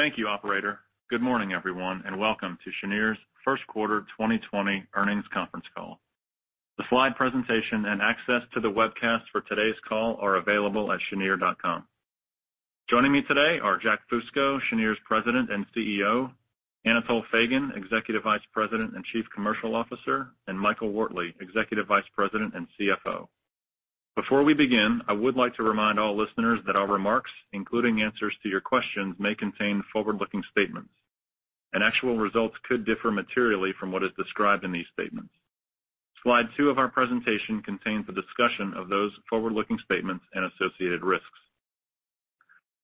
Thank you operator. Good morning, everyone, and welcome to Cheniere's first quarter 2020 earnings conference call. The slide presentation and access to the webcast for today's call are available at cheniere.com. Joining me today are Jack Fusco, Cheniere's President and CEO, Anatol Feygin, Executive Vice President and Chief Commercial Officer, and Michael Wortley, Executive Vice President and CFO. Before we begin, I would like to remind all listeners that our remarks, including answers to your questions, may contain forward-looking statements and actual results could differ materially from what is described in these statements. Slide two of our presentation contains a discussion of those forward-looking statements and associated risks.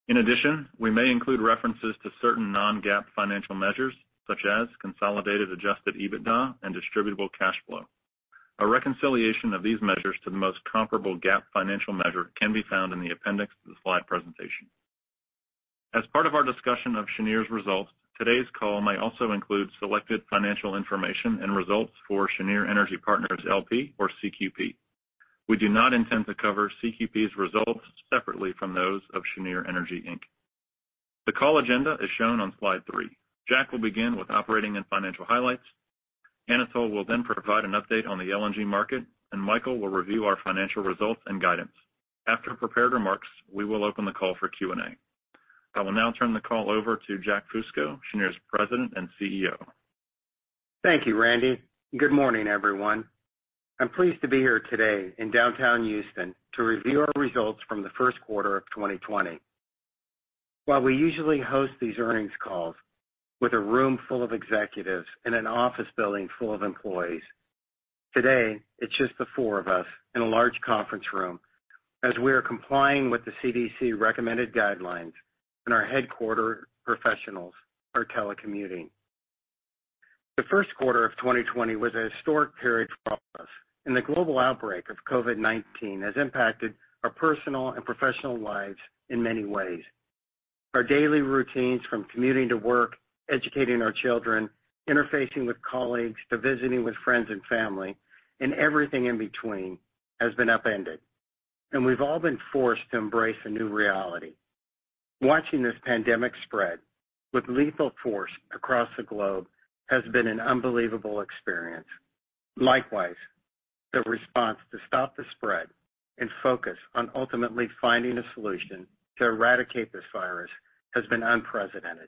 In addition, we may include references to certain non-GAAP financial measures such as Consolidated Adjusted EBITDA and Distributable Cash Flow. A reconciliation of these measures to the most comparable GAAP financial measure can be found in the appendix to the slide presentation. As part of our discussion of Cheniere's results, today's call may also include selected financial information and results for Cheniere Energy Partners, L.P. or CQP. We do not intend to cover CQP's results separately from those of Cheniere Energy, Inc. The call agenda is shown on slide three. Jack will begin with operating and financial highlights. Anatol will then provide an update on the LNG market, and Michael will review our financial results and guidance. After prepared remarks, we will open the call for Q&A. I will now turn the call over to Jack Fusco, Cheniere's President and CEO. Thank you, Randy. Good morning, everyone. I'm pleased to be here today in downtown Houston to review our results from the first quarter of 2020. While we usually host these earnings calls with a room full of executives and an office building full of employees, today it's just the four of us in a large conference room as we are complying with the CDC recommended guidelines and our headquarter professionals are telecommuting. The first quarter of 2020 was a historic period for all of us, and the global outbreak of COVID-19 has impacted our personal and professional lives in many ways. Our daily routines, from commuting to work, educating our children, interfacing with colleagues, to visiting with friends and family, and everything in between, has been upended, and we've all been forced to embrace a new reality. Watching this pandemic spread with lethal force across the globe has been an unbelievable experience. Likewise, the response to stop the spread and focus on ultimately finding a solution to eradicate this virus has been unprecedented.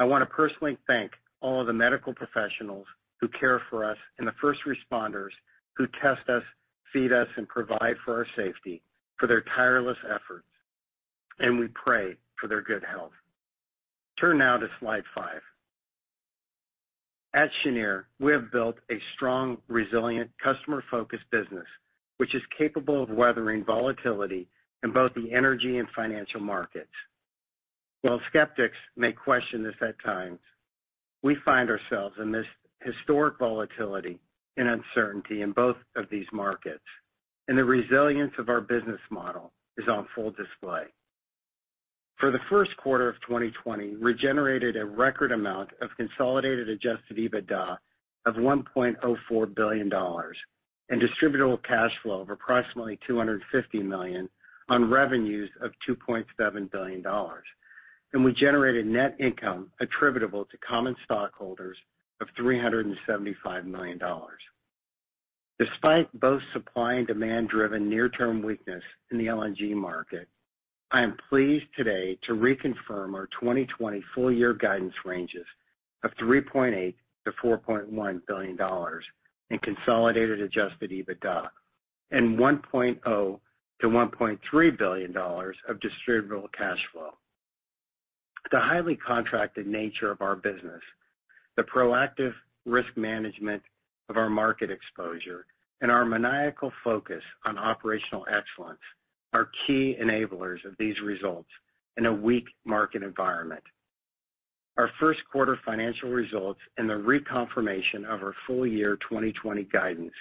I want to personally thank all of the medical professionals who care for us and the first responders who test us, feed us, and provide for our safety for their tireless efforts, and we pray for their good health. Turn now to slide five. At Cheniere, we have built a strong, resilient, customer-focused business which is capable of weathering volatility in both the energy and financial markets. While skeptics may question this at times, we find ourselves in this historic volatility and uncertainty in both of these markets, and the resilience of our business model is on full display. For the first quarter of 2020, we generated a record amount of Consolidated Adjusted EBITDA of $1.04 billion and Distributable Cash Flow of approximately $250 million on revenues of $2.7 billion. We generated net income attributable to common stockholders of $375 million. Despite both supply and demand-driven near-term weakness in the LNG market, I am pleased today to reconfirm our 2020 full-year guidance ranges of $3.8 billion-$4.1 billion in Consolidated Adjusted EBITDA and $1.0 billion-$1.3 billion of Distributable Cash Flow. The highly contracted nature of our business, the proactive risk management of our market exposure, and our maniacal focus on operational excellence are key enablers of these results in a weak market environment. Our first quarter financial results and the reconfirmation of our full-year 2020 guidance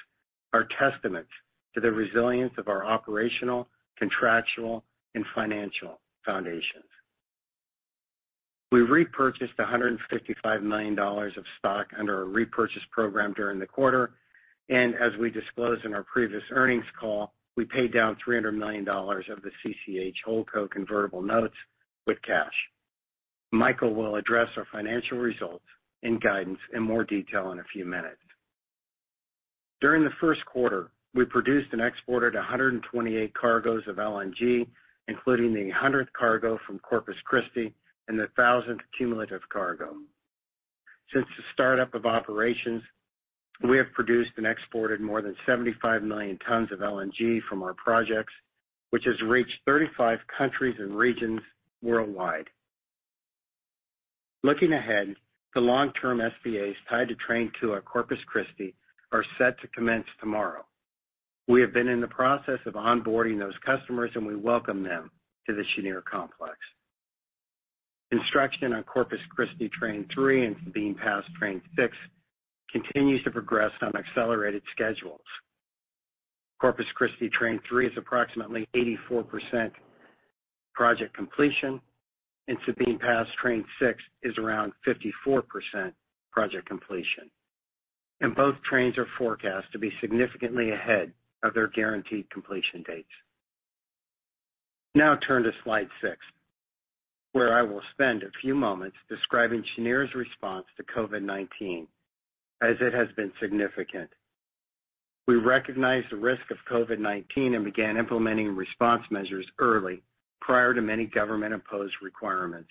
are testaments to the resilience of our operational, contractual, and financial foundations. We repurchased $155 million of stock under our repurchase program during the quarter, and as we disclosed in our previous earnings call, we paid down $300 million of the CCH HoldCo convertible notes with cash. Michael will address our financial results and guidance in more detail in a few minutes. During the first quarter, we produced and exported 128 cargos of LNG, including the 100th cargo from Corpus Christi and the 1,000th cumulative cargo. Since the start-up of operations, we have produced and exported more than 75 million tons of LNG from our projects, which has reached 35 countries and regions worldwide. Looking ahead, the long-term SPAs tied to Train 2 at Corpus Christi are set to commence tomorrow. We have been in the process of onboarding those customers, and we welcome them to the Cheniere complex. Construction on Corpus Christi Train 3 and Sabine Pass Train 6 continues to progress on accelerated schedules. Corpus Christi Train 3 is approximately 84% project completion, and Sabine Pass Train 6 is around 54% project completion. Both trains are forecast to be significantly ahead of their guaranteed completion dates. Turn to slide six, where I will spend a few moments describing Cheniere's response to COVID-19, as it has been significant. We recognized the risk of COVID-19 and began implementing response measures early, prior to many government-imposed requirements.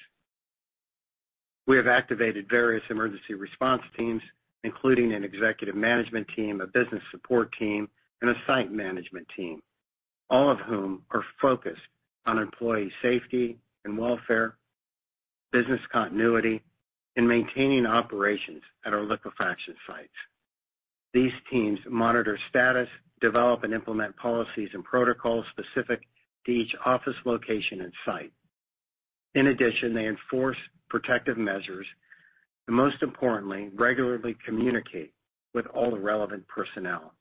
We have activated various emergency response teams, including an executive management team, a business support team, and a site management team, all of whom are focused on employee safety and welfare, business continuity, and maintaining operations at our liquefaction sites. These teams monitor status, develop and implement policies and protocols specific to each office location and site. In addition, they enforce protective measures, and most importantly, regularly communicate with all the relevant personnel.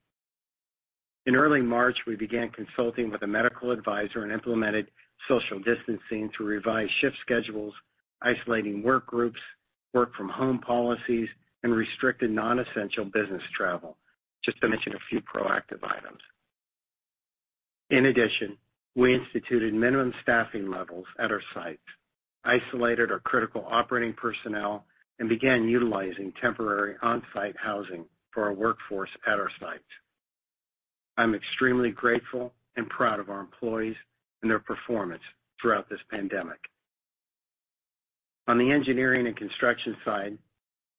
In early March, we began consulting with a medical advisor and implemented social distancing through revised shift schedules, isolating work groups, work-from-home policies, and restricted non-essential business travel, just to mention a few proactive items. In addition, we instituted minimum staffing levels at our sites, isolated our critical operating personnel, and began utilizing temporary on-site housing for our workforce at our sites. I'm extremely grateful and proud of our employees and their performance throughout this pandemic. On the engineering and construction side,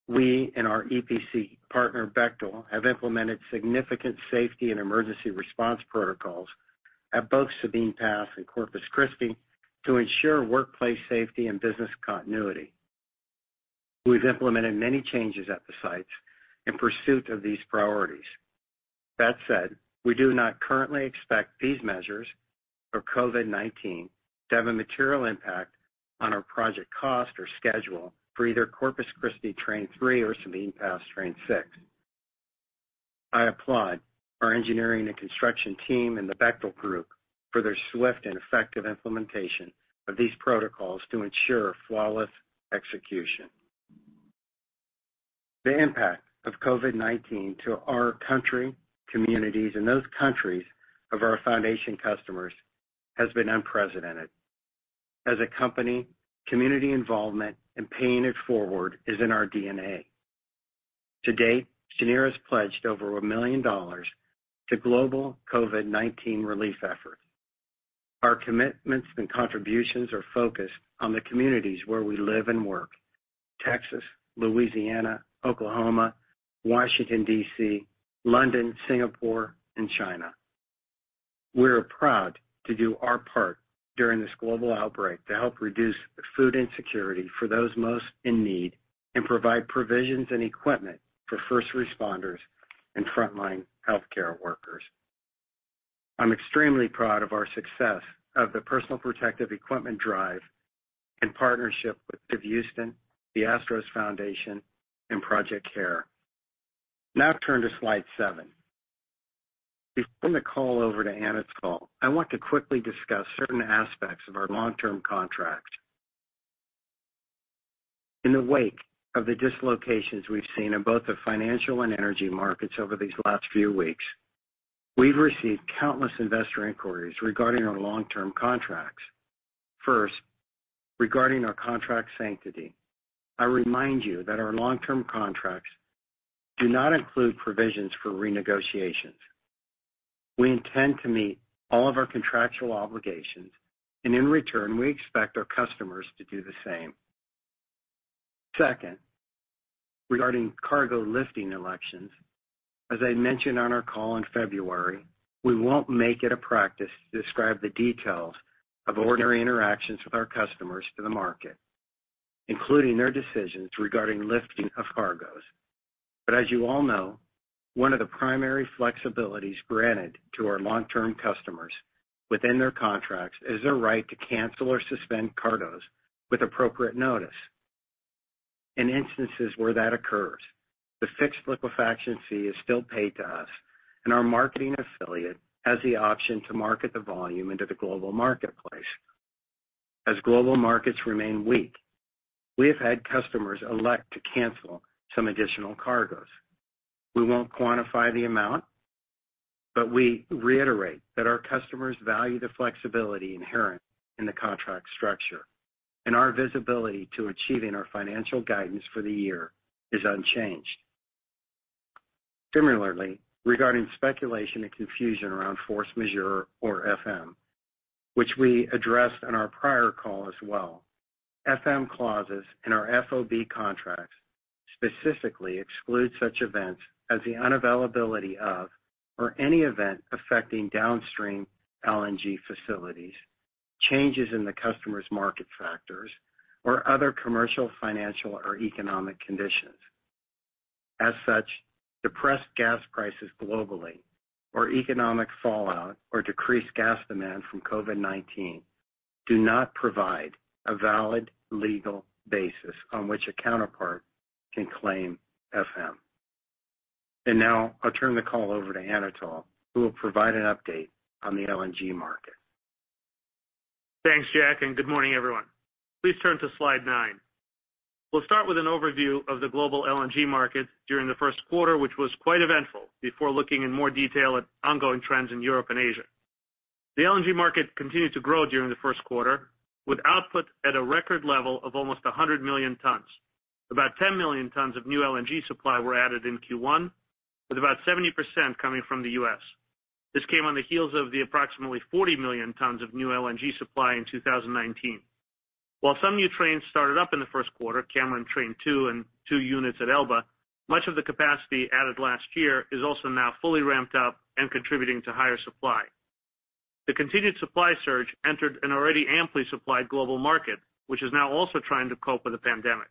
we and our EPC partner, Bechtel, have implemented significant safety and emergency response protocols at both Sabine Pass and Corpus Christi to ensure workplace safety and business continuity. We've implemented many changes at the sites in pursuit of these priorities. That said, we do not currently expect these measures or COVID-19 to have a material impact on our project cost or schedule for either Corpus Christi Train or Sabine Pass Train. I applaud our engineering and construction team and the Bechtel Group for their swift and effective implementation of these protocols to ensure flawless execution. The impact of COVID-19 to our country, communities, and those countries of our foundation customers has been unprecedented. As a company, community involvement and paying it forward is in our DNA. To date, Cheniere has pledged over $1 million to global COVID-19 relief efforts. Our commitments and contributions are focused on the communities where we live and work, Texas, Louisiana, Oklahoma, Washington, D.C., London, Singapore, and China. We are proud to do our part during this global outbreak to help reduce food insecurity for those most in need and provide provisions and equipment for first responders and frontline healthcare workers. I'm extremely proud of our success of the personal protective equipment drive in partnership with GiveHOUSTON, the Astros Foundation, and Project C.U.R.E. Turn to slide seven. Before I turn the call over to Anatol, I want to quickly discuss certain aspects of our long-term contract. In the wake of the dislocations we've seen in both the financial and energy markets over these last few weeks, we've received countless investor inquiries regarding our long-term contracts. First, regarding our contract sanctity. I remind you that our long-term contracts do not include provisions for renegotiations. We intend to meet all of our contractual obligations, and in return, we expect our customers to do the same. Second, regarding cargo lifting elections. As I mentioned on our call in February, we won't make it a practice to describe the details of ordinary interactions with our customers to the market, including their decisions regarding lifting of cargoes. As you all know, one of the primary flexibilities granted to our long-term customers within their contracts is their right to cancel or suspend cargoes with appropriate notice. In instances where that occurs, the fixed liquefaction fee is still paid to us, and our marketing affiliate has the option to market the volume into the global marketplace. As global markets remain weak, we have had customers elect to cancel some additional cargoes. We won't quantify the amount, but we reiterate that our customers value the flexibility inherent in the contract structure and our visibility to achieving our financial guidance for the year is unchanged. Similarly, regarding speculation and confusion around force majeure or FM, which we addressed on our prior call as well. FM clauses in our FOB contracts specifically exclude such events as the unavailability of or any event affecting downstream LNG facilities, changes in the customer's market factors, or other commercial, financial, or economic conditions. As such, depressed gas prices globally or economic fallout or decreased gas demand from COVID-19 do not provide a valid legal basis on which a counterpart can claim FM. Now I'll turn the call over to Anatol, who will provide an update on the LNG market. Thanks, Jack, and good morning, everyone. Please turn to slide nine. We'll start with an overview of the global LNG market during the first quarter, which was quite eventful, before looking in more detail at ongoing trends in Europe and Asia. The LNG market continued to grow during the first quarter, with output at a record level of almost 100 million tons. About 10 million tons of new LNG supply were added in Q1, with about 70% coming from the U.S. This came on the heels of the approximately 40 million tons of new LNG supply in 2019. While some new trains started up in the first quarter, Cameron Train 2 and two units at Elba, much of the capacity added last year is also now fully ramped up and contributing to higher supply. The continued supply surge entered an already amply supplied global market, which is now also trying to cope with the pandemic.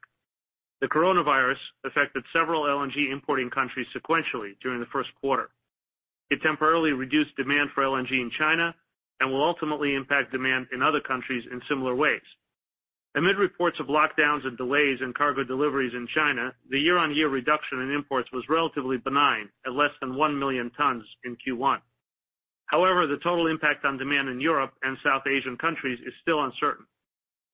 The coronavirus affected several LNG-importing countries sequentially during the first quarter. It temporarily reduced demand for LNG in China and will ultimately impact demand in other countries in similar ways. Amid reports of lockdowns and delays in cargo deliveries in China, the year-on-year reduction in imports was relatively benign at less than 1 million tons in Q1. The total impact on demand in Europe and South Asian countries is still uncertain.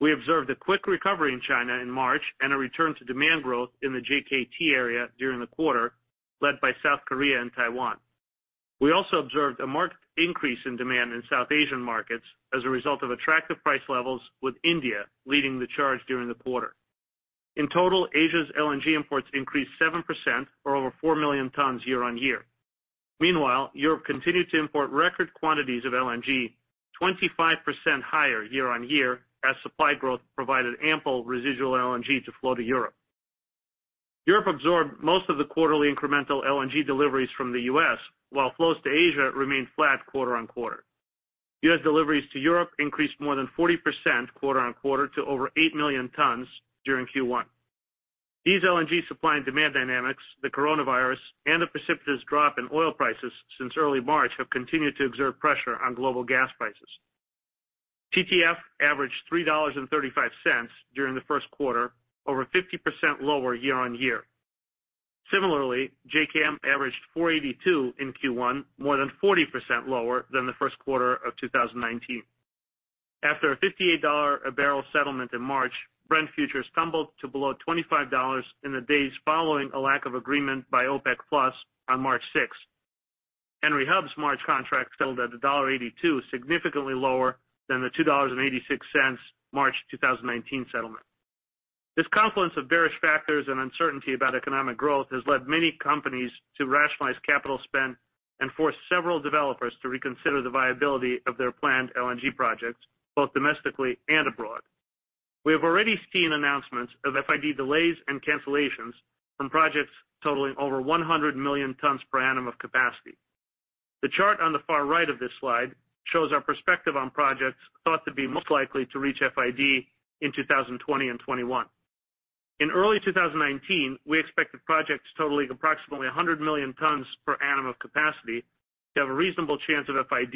We observed a quick recovery in China in March and a return to demand growth in the JKT area during the quarter, led by South Korea and Taiwan. We also observed a marked increase in demand in South Asian markets as a result of attractive price levels, with India leading the charge during the quarter. In total, Asia's LNG imports increased 7% or over 4 million tons year-on-year. Meanwhile, Europe continued to import record quantities of LNG 25% higher year-on-year, as supply growth provided ample residual LNG to flow to Europe. Europe absorbed most of the quarterly incremental LNG deliveries from the U.S., while flows to Asia remained flat quarter-on-quarter. U.S. deliveries to Europe increased more than 40% quarter-on-quarter to over 8 million tons during Q1. These LNG supply and demand dynamics, the coronavirus, and the precipitous drop in oil prices since early March, have continued to exert pressure on global gas prices. TTF averaged $3.35 during the first quarter, over 50% lower year-on-year. Similarly, JK averages $4.82 in Q1, more than 40% lower than the first quarter of 2019. After a $58 a barrel settlement in March, Brent futures tumbled to below $25 in the days following a lack of agreement by OPEC+ on March 6th. Henry Hub's March contract settled at $1.82, significantly lower than the $2.86 March 2019 settlement. This confluence of bearish factors and uncertainty about economic growth has led many companies to rationalize capital spend and force several developers to reconsider the viability of their planned LNG projects, both domestically and abroad. We have already seen announcements of FID delays and cancellations from projects totaling over 100 million tons per annum of capacity. The chart on the far right of this slide shows our perspective on projects thought to be most likely to reach FID in 2020 and 2021. In early 2019, we expected projects totaling approximately 100 million tons per annum of capacity to have a reasonable chance of FID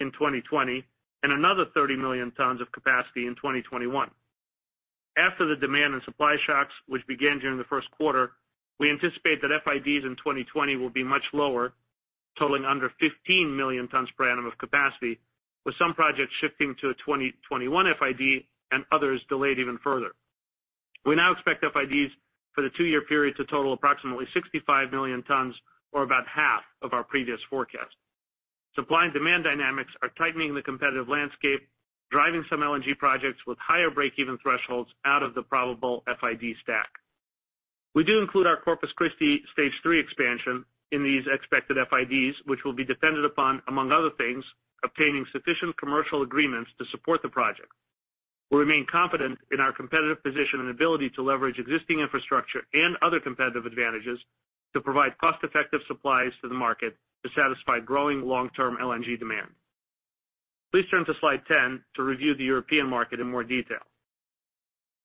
in 2020, and another 30 million tons of capacity in 2021. After the demand and supply shocks, which began during the first quarter, we anticipate that FIDs in 2020 will be much lower, totaling under 15 million tons per annum of capacity, with some projects shifting to 2021 FID and others delayed even further. We now expect FIDs for the two-year period to total approximately 65 million tons or about half of our previous forecast. Supply and demand dynamics are tightening the competitive landscape, driving some LNG projects with higher break-even thresholds out of the probable FID stack. We do include our Corpus Christi Stage 3 expansion in these expected FIDs, which will be dependent upon, among other things, obtaining sufficient commercial agreements to support the project. We remain confident in our competitive position and ability to leverage existing infrastructure and other competitive advantages to provide cost-effective supplies to the market to satisfy growing long-term LNG demand. Please turn to slide 10 to review the European market in more detail.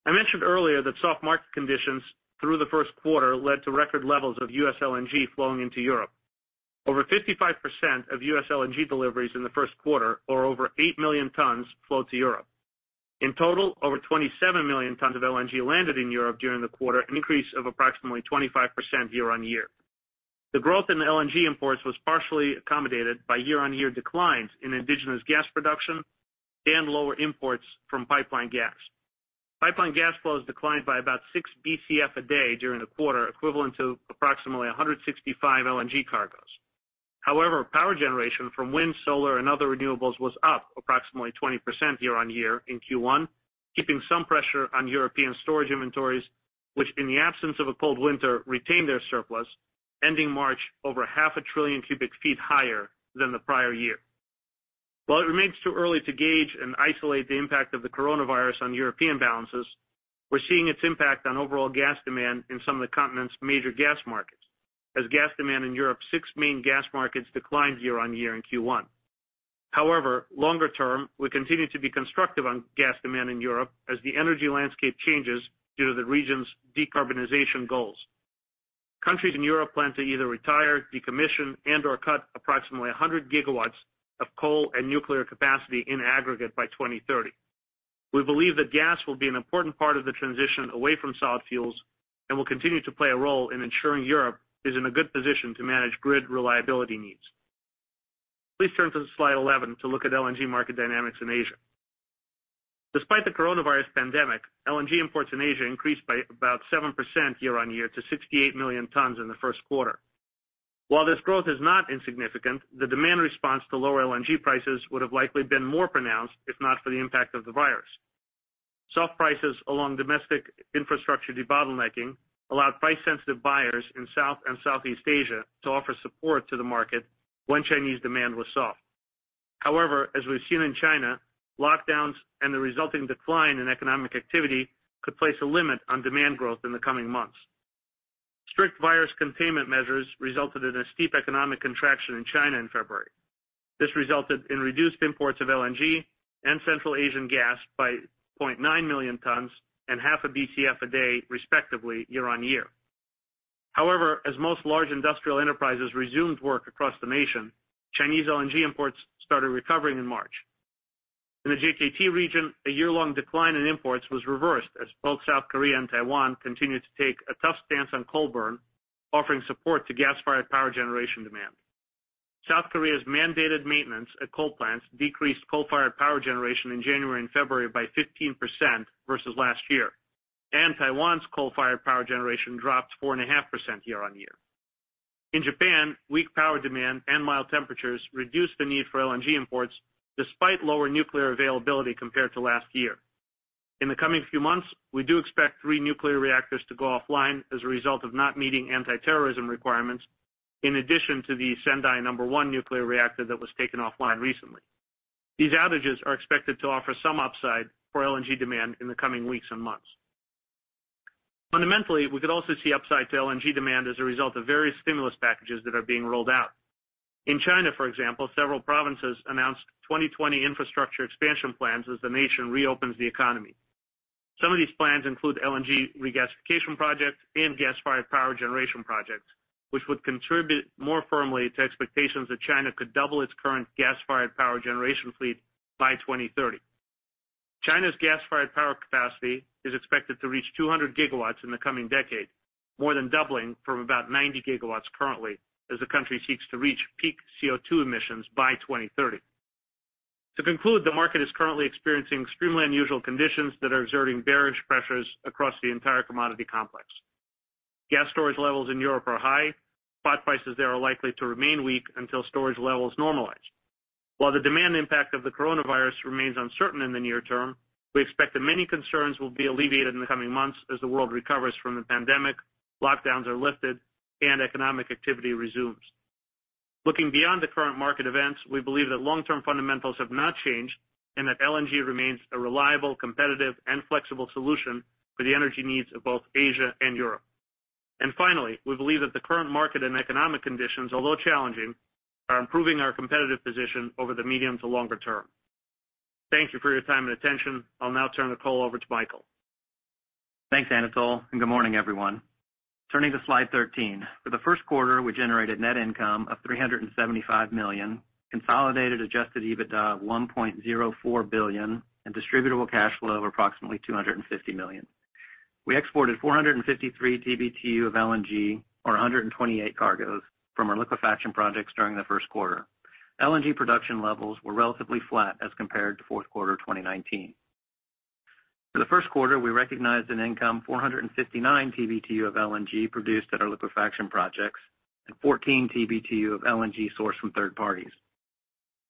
I mentioned earlier that soft market conditions through the first quarter led to record levels of U.S. LNG flowing into Europe. Over 55% of U.S. LNG deliveries in the first quarter, or over eight million tons, flow to Europe. In total, over 27 million tons of LNG landed in Europe during the quarter, an increase of approximately 25% year-on-year. The growth in LNG imports was partially accommodated by year-on-year declines in indigenous gas production and lower imports from pipeline gas. Pipeline gas flows declined by about six BCF a day during the quarter, equivalent to approximately 165 LNG cargoes. Power generation from wind, solar, and other renewables was up approximately 20% year-on-year in Q1, keeping some pressure on European storage inventories, which in the absence of a cold winter, retained their surplus, ending March over half a trillion cubic feet higher than the prior year. While it remains too early to gauge and isolate the impact of the coronavirus on European balances, we are seeing its impact on overall gas demand in some of the continent's major gas markets, as gas demand in Europe's six main gas markets declined year-on-year in Q1. Longer-term, we continue to be constructive on gas demand in Europe as the energy landscape changes due to the region's decarbonization goals. Countries in Europe plan to either retire, decommission, and or cut approximately 100 GW of coal and nuclear capacity in aggregate by 2030. We believe that gas will be an important part of the transition away from solid fuels and will continue to play a role in ensuring Europe is in a good position to manage grid reliability needs. Please turn to slide 11 to look at LNG market dynamics in Asia. Despite the coronavirus pandemic, LNG imports in Asia increased by about 7% year-on-year to 68 million tons in the first quarter. While this growth is not insignificant, the demand response to lower LNG prices would have likely been more pronounced if not for the impact of the virus. Soft prices along domestic infrastructure debottlenecking allowed price-sensitive buyers in South and Southeast Asia to offer support to the market when Chinese demand was soft. As we've seen in China, lockdowns and the resulting decline in economic activity could place a limit on demand growth in the coming months. Strict virus containment measures resulted in a steep economic contraction in China in February. This resulted in reduced imports of LNG and Central Asian gas by 0.9 million tons and half a BCF a day, respectively, year-on-year. As most large industrial enterprises resumed work across the nation, Chinese LNG imports started recovering in March. In the JKT region, a year-long decline in imports was reversed as both South Korea and Taiwan continued to take a tough stance on coal burn, offering support to gas-fired power generation demand. South Korea's mandated maintenance at coal plants decreased coal-fired power generation in January and February by 15% versus last year, and Taiwan's coal-fired power generation dropped 4.5% year-on-year. In Japan, weak power demand and mild temperatures reduced the need for LNG imports despite lower nuclear availability compared to last year. In the coming few months, we do expect three nuclear reactors to go offline as a result of not meeting anti-terrorism requirements, in addition to the Sendai Number One nuclear reactor that was taken offline recently. These outages are expected to offer some upside for LNG demand in the coming weeks and months. Fundamentally, we could also see upside to LNG demand as a result of various stimulus packages that are being rolled out. In China, for example, several provinces announced 2020 infrastructure expansion plans as the nation reopens the economy. Some of these plans include LNG regasification projects and gas-fired power generation projects, which would contribute more firmly to expectations that China could double its current gas-fired power generation fleet by 2030. China's gas-fired power capacity is expected to reach 200 GW in the coming decade, more than doubling from about 90 GW currently as the country seeks to reach peak CO2 emissions by 2030. To conclude, the market is currently experiencing extremely unusual conditions that are exerting bearish pressures across the entire commodity complex. Gas storage levels in Europe are high. Spot prices there are likely to remain weak until storage levels normalize. While the demand impact of the coronavirus remains uncertain in the near term, we expect that many concerns will be alleviated in the coming months as the world recovers from the pandemic, lockdowns are lifted, and economic activity resumes. Looking beyond the current market events, we believe that long-term fundamentals have not changed and that LNG remains a reliable, competitive, and flexible solution for the energy needs of both Asia and Europe. Finally, we believe that the current market and economic conditions, although challenging, are improving our competitive position over the medium to longer term. Thank you for your time and attention. I'll now turn the call over to Michael. Thanks, Anatol. Good morning, everyone. Turning to slide 13. For the first quarter, we generated net income of $375 million, Consolidated Adjusted EBITDA of $1.04 billion, and Distributable Cash Flow of approximately $250 million. We exported 453 TBtu of LNG or 128 cargos from our liquefaction projects during the first quarter. LNG production levels were relatively flat as compared to fourth quarter 2019. For the first quarter, we recognized an income 459 TBtu of LNG produced at our liquefaction projects and 14 TBtu of LNG sourced from third parties.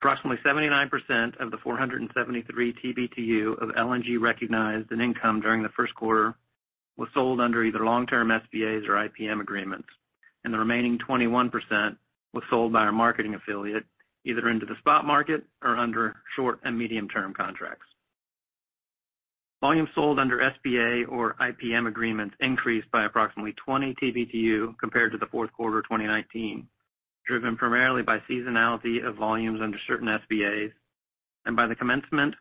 Approximately 79% of the 473 TBtu of LNG recognized in income during the first quarter was sold under either long-term SPAs or IPM agreements, and the remaining 21% was sold by our marketing affiliate, either into the spot market or under short and medium-term contracts. Volume sold under SBA or IPM agreements increased by approximately 20 TBtu compared to the fourth quarter of 2019, driven primarily by seasonality of volumes under certain SBAs and by the commencement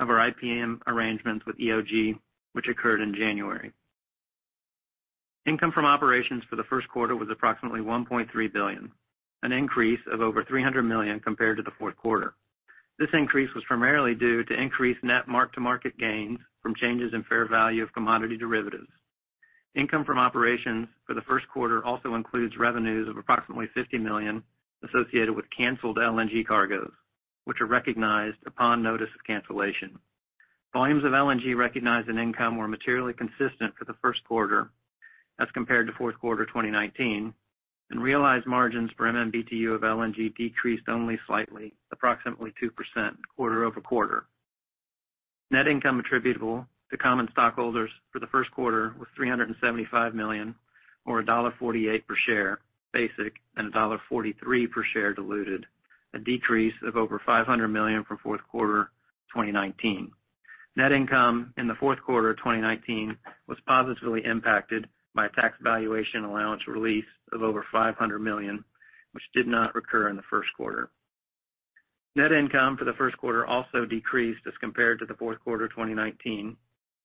of our IPM arrangements with EOG, which occurred in January. Income from operations for the first quarter was approximately $1.3 billion, an increase of over $300 million compared to the fourth quarter. This increase was primarily due to increased net mark-to-market gains from changes in fair value of commodity derivatives. Income from operations for the first quarter also includes revenues of approximately $50 million associated with canceled LNG cargos, which are recognized upon notice of cancellation. Volumes of LNG recognized in income were materially consistent for the first quarter as compared to fourth quarter 2019, and realized margins per MMBtu of LNG decreased only slightly, approximately 2% quarter-over-quarter. Net income attributable to common stockholders for the first quarter was $375 million, or $1.48 per share basic and $1.43 per share diluted, a decrease of over $500 million from fourth quarter 2019. Net income in the fourth quarter of 2019 was positively impacted by a tax valuation allowance release of over $500 million, which did not recur in the first quarter. Net income for the first quarter also decreased as compared to the fourth quarter of 2019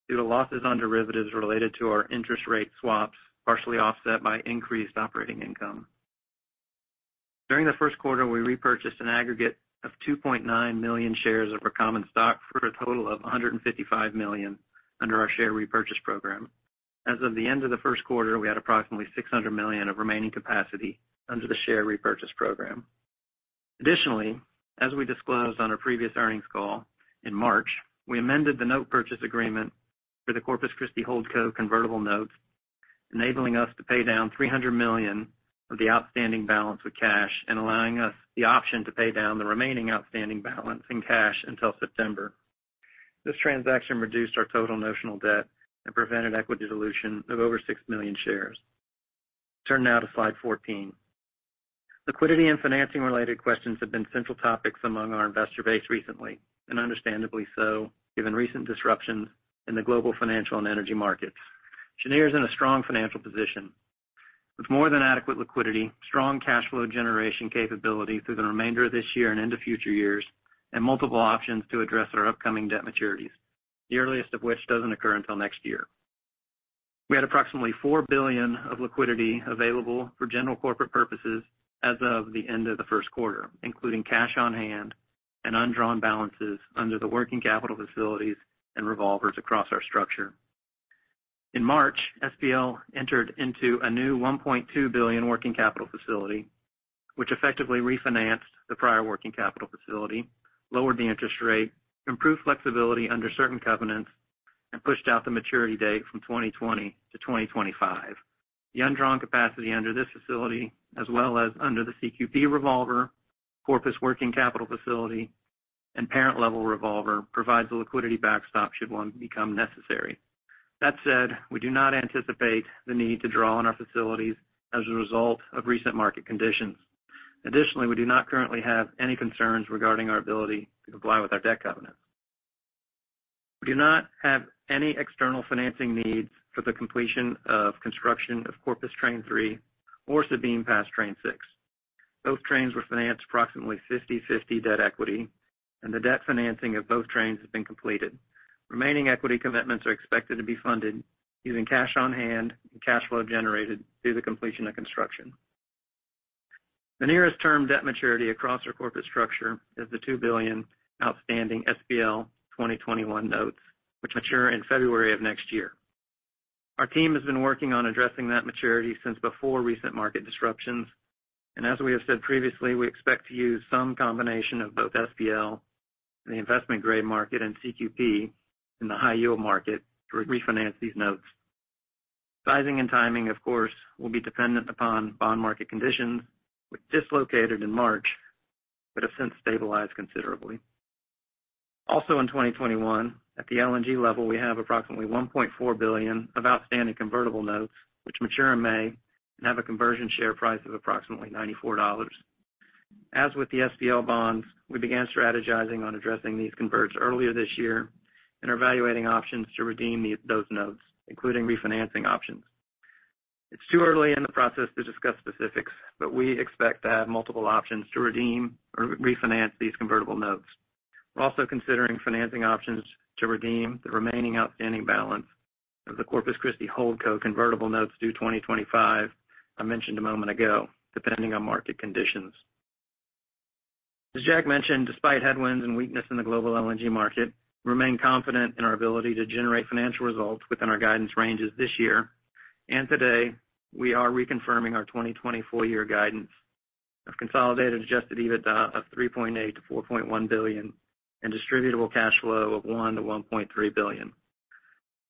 due to losses on derivatives related to our interest rate swaps, partially offset by increased operating income. During the first quarter, we repurchased an aggregate of 2.9 million shares of our common stock for a total of $155 million under our share repurchase program. As of the end of the first quarter, we had approximately $600 million of remaining capacity under the share repurchase program. Additionally, as we disclosed on our previous earnings call in March, we amended the note purchase agreement for the Corpus Christi HoldCo convertible notes, enabling us to pay down $300 million of the outstanding balance with cash and allowing us the option to pay down the remaining outstanding balance in cash until September. This transaction reduced our total notional debt and prevented equity dilution of over 6 million shares. Turn now to slide 14. Liquidity and financing related questions have been central topics among our investor base recently, and understandably so, given recent disruptions in the global financial and energy markets. Cheniere is in a strong financial position with more than adequate liquidity, strong cash flow generation capability through the remainder of this year and into future years, and multiple options to address our upcoming debt maturities, the earliest of which doesn't occur until next year. We had approximately $4 billion of liquidity available for general corporate purposes as of the end of the first quarter, including cash on hand and undrawn balances under the working capital facilities and revolvers across our structure. In March, SPL entered into a new $1.2 billion working capital facility, which effectively refinanced the prior working capital facility, lowered the interest rate, improved flexibility under certain covenants, and pushed out the maturity date from 2020 to 2025. The undrawn capacity under this facility, as well as under the CQP revolver, Corpus Working Capital Facility, and parent-level revolver, provides a liquidity backstop should one become necessary. That said, we do not anticipate the need to draw on our facilities as a result of recent market conditions. Additionally, we do not currently have any concerns regarding our ability to comply with our debt covenants. We do not have any external financing needs for the completion of construction of Corpus Train 3 or Sabine Pass Train 6. Both trains were financed approximately 50/50 debt equity, and the debt financing of both trains has been completed. Remaining equity commitments are expected to be funded using cash on hand and cash flow generated through the completion of construction. The nearest term debt maturity across our corporate structure is the $2 billion outstanding SPL-2021 notes, which mature in February of next year. Our team has been working on addressing that maturity since before recent market disruptions. As we have said previously, we expect to use some combination of both SPL in the investment-grade market and CQP in the high-yield market to refinance these notes. Sizing and timing, of course, will be dependent upon bond market conditions, which dislocated in March but have since stabilized considerably. In 2021, at the LNG level, we have approximately $1.4 billion of outstanding convertible notes, which mature in May and have a conversion share price of approximately $94. As with the SPL bonds, we began strategizing on addressing these converts earlier this year and are evaluating options to redeem those notes, including refinancing options. It's too early in the process to discuss specifics, but we expect to have multiple options to redeem or refinance these convertible notes. We're also considering financing options to redeem the remaining outstanding balance of the Corpus Christi HoldCo convertible notes due 2025 I mentioned a moment ago, depending on market conditions. As Jack mentioned, despite headwinds and weakness in the global LNG market, we remain confident in our ability to generate financial results within our guidance ranges this year. Today, we are reconfirming our 2020 full year guidance of consolidated adjusted EBITDA of $3.8 billion-$4.1 billion and distributable cash flow of $1 billion-$1.3 billion.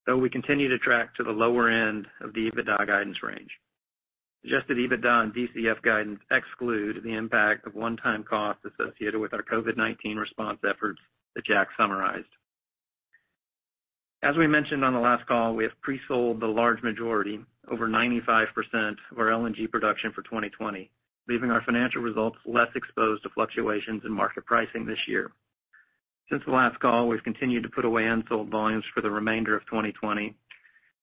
We continue to track to the lower end of the EBITDA guidance range. Adjusted EBITDA and DCF guidance exclude the impact of one-time costs associated with our COVID-19 response efforts that Jack summarized. Since the last call, we've continued to put away unsold volumes for the remainder of 2020,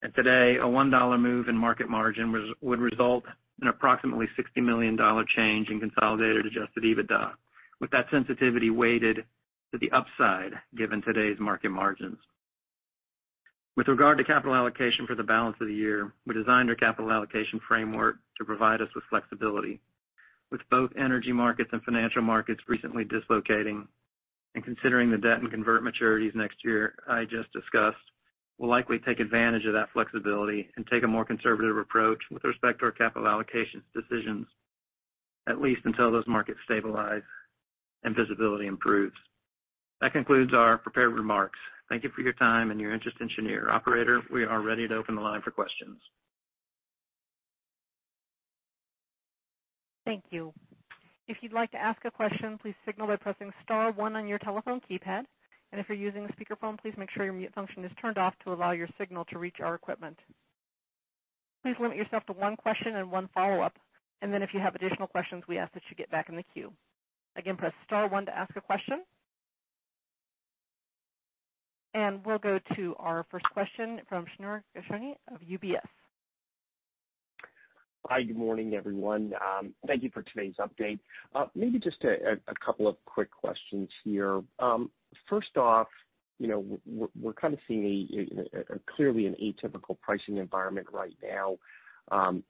and today, a $1 move in market margin would result in approximately $60 million change in consolidated adjusted EBITDA, with that sensitivity weighted to the upside, given today's market margins. With regard to capital allocation for the balance of the year, we designed our capital allocation framework to provide us with flexibility. With both energy markets and financial markets recently dislocating and considering the debt and convert maturities next year I just discussed, we'll likely take advantage of that flexibility and take a more conservative approach with respect to our capital allocations decisions, at least until those markets stabilize and visibility improves. That concludes our prepared remarks. Thank you for your time and your interest in Cheniere. Operator, we are ready to open the line for questions. Thank you. If you'd like to ask a question, please signal by pressing star one on your telephone keypad. If you're using a speakerphone, please make sure your mute function is turned off to allow your signal to reach our equipment. Please limit yourself to one question and one follow-up. If you have additional questions, we ask that you get back in the queue. Again, press star one to ask a question. We'll go to our first question from Shneur Gershuni of UBS. Hi, good morning, everyone. Thank you for today's update. Maybe just a couple of quick questions here. First off, we're kind of seeing clearly an atypical pricing environment right now.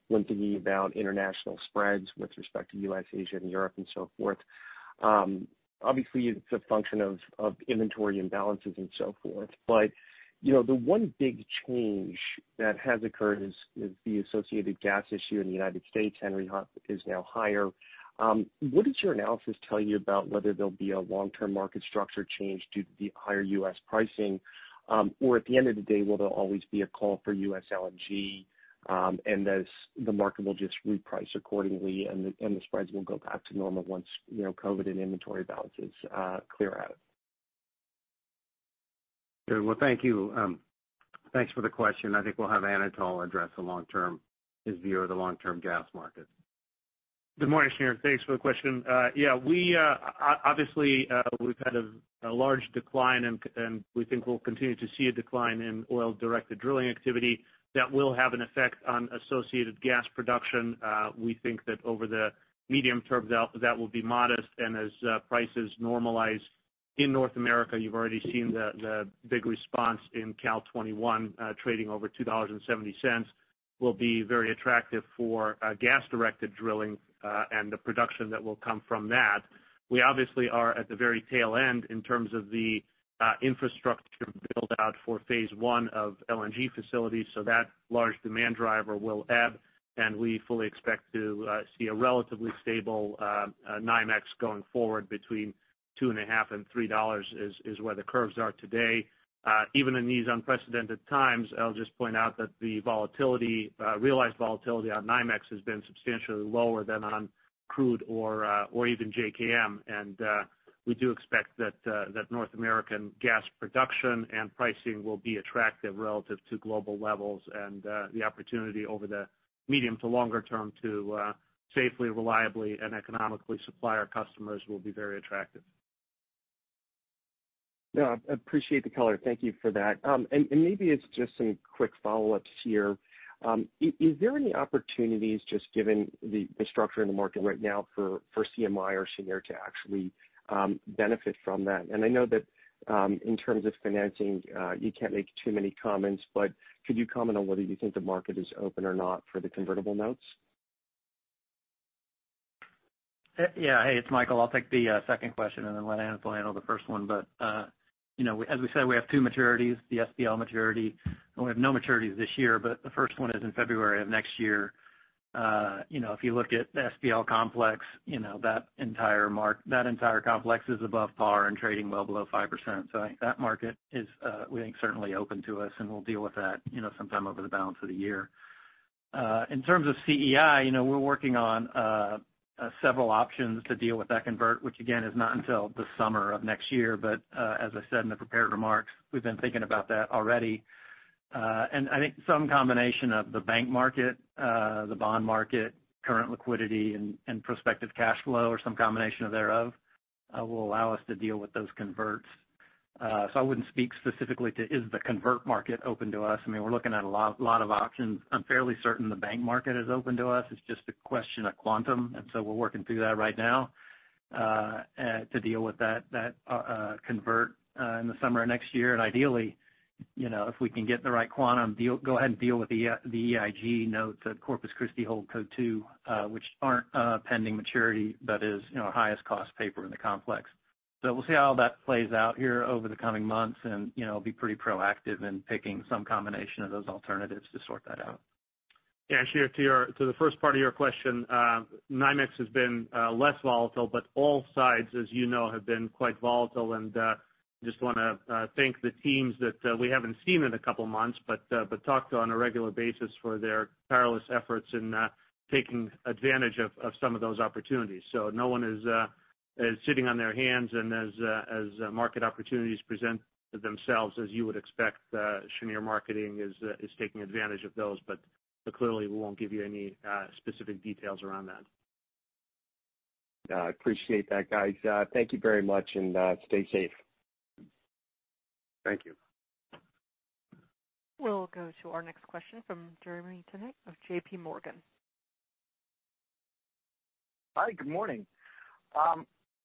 When thinking about international spreads with respect to U.S., Asia, and Europe, and so forth. Obviously, it's a function of inventory imbalances, and so forth. The one big change that has occurred is the associated gas issue in the United States. Henry Hub is now higher. What does your analysis tell you about whether there'll be a long-term market structure change due to the higher U.S. pricing? At the end of the day, will there always be a call for U.S. LNG, and thus the market will just reprice accordingly, and the spreads will go back to normal once COVID and inventory balances clear out? Good. Well, thank you. Thanks for the question. I think we'll have Anatol address his view of the long-term gas market. Good morning, Shneur. Thanks for the question. Yeah, obviously, we've had a large decline, and we think we'll continue to see a decline in oil-directed drilling activity that will have an effect on associated gas production. We think that over the medium term, that will be modest, and as prices normalize in North America, you've already seen the big response in Cal'21 trading over $2.70 will be very attractive for gas-directed drilling, and the production that will come from that. We obviously are at the very tail end in terms of the infrastructure build-out for phase I of LNG facilities, so that large demand driver will ebb, and we fully expect to see a relatively stable NYMEX going forward between $2.50 and $3 is where the curves are today. Even in these unprecedented times, I'll just point out that the realized volatility on NYMEX has been substantially lower than on crude or even JKM. We do expect that North American gas production and pricing will be attractive relative to global levels and the opportunity over the medium to longer term to safely, reliably, and economically supply our customers will be very attractive. Yeah, I appreciate the color. Thank you for that. Maybe it's just some quick follow-ups here. Is there any opportunities just given the structure in the market right now for CMI or Cheniere to actually benefit from that? I know that in terms of financing, you can't make too many comments, but could you comment on whether you think the market is open or not for the convertible notes? Yeah. Hey, it's Michael. I'll take the second question and then let Anatol handle the first one. As we said, we have two maturities, the SPL maturity, and we have no maturities this year, but the first one is in February of next year. If you look at the SPL complex, that entire complex is above par and trading well below 5%. I think that market is, we think, certainly open to us, and we'll deal with that sometime over the balance of the year. In terms of CEI, we're working on several options to deal with that convert, which again, is not until the summer of next year. As I said in the prepared remarks, we've been thinking about that already. I think some combination of the bank market, the bond market, current liquidity, and prospective cash flow or some combination thereof will allow us to deal with those converts. I wouldn't speak specifically to is the convert market open to us. We're looking at a lot of options. I'm fairly certain the bank market is open to us. It's just a question of quantum, and so we're working through that right now to deal with that convert in the summer of next year. Ideally, if we can get the right quantum, go ahead and deal with the EIG notes that Corpus Christi HoldCo II, which aren't pending maturity, that is our highest cost paper in the complex. We'll see how that plays out here over the coming months and be pretty proactive in picking some combination of those alternatives to sort that out. Yeah, Shneur, to the first part of your question, NYMEX has been less volatile, but all sides, as you know, have been quite volatile, and just want to thank the teams that we haven't seen in a couple of months, but talked to on a regular basis for their tireless efforts in taking advantage of some of those opportunities. No one is sitting on their hands, and as market opportunities present themselves, as you would expect, Cheniere Marketing is taking advantage of those. Clearly, we won't give you any specific details around that. Yeah. I appreciate that, guys. Thank you very much, and stay safe. Thank you. We'll go to our next question from Jeremy Tonet of JPMorgan. Hi, good morning.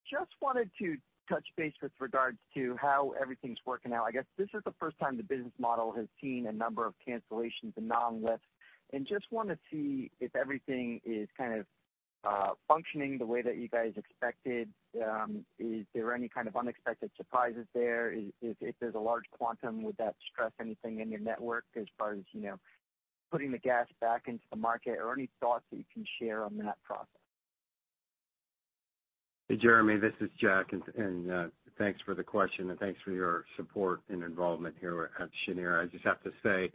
Just wanted to touch base with regards to how everything's working out. I guess this is the first time the business model has seen a number of cancellations and non-lifts, and just want to see if everything is kind of functioning the way that you guys expected. Is there any kind of unexpected surprises there? If there's a large quantum, would that stress anything in your network as far as putting the gas back into the market? Any thoughts that you can share on that process? Hey, Jeremy, this is Jack. Thanks for the question. Thanks for your support and involvement here at Cheniere. I just have to say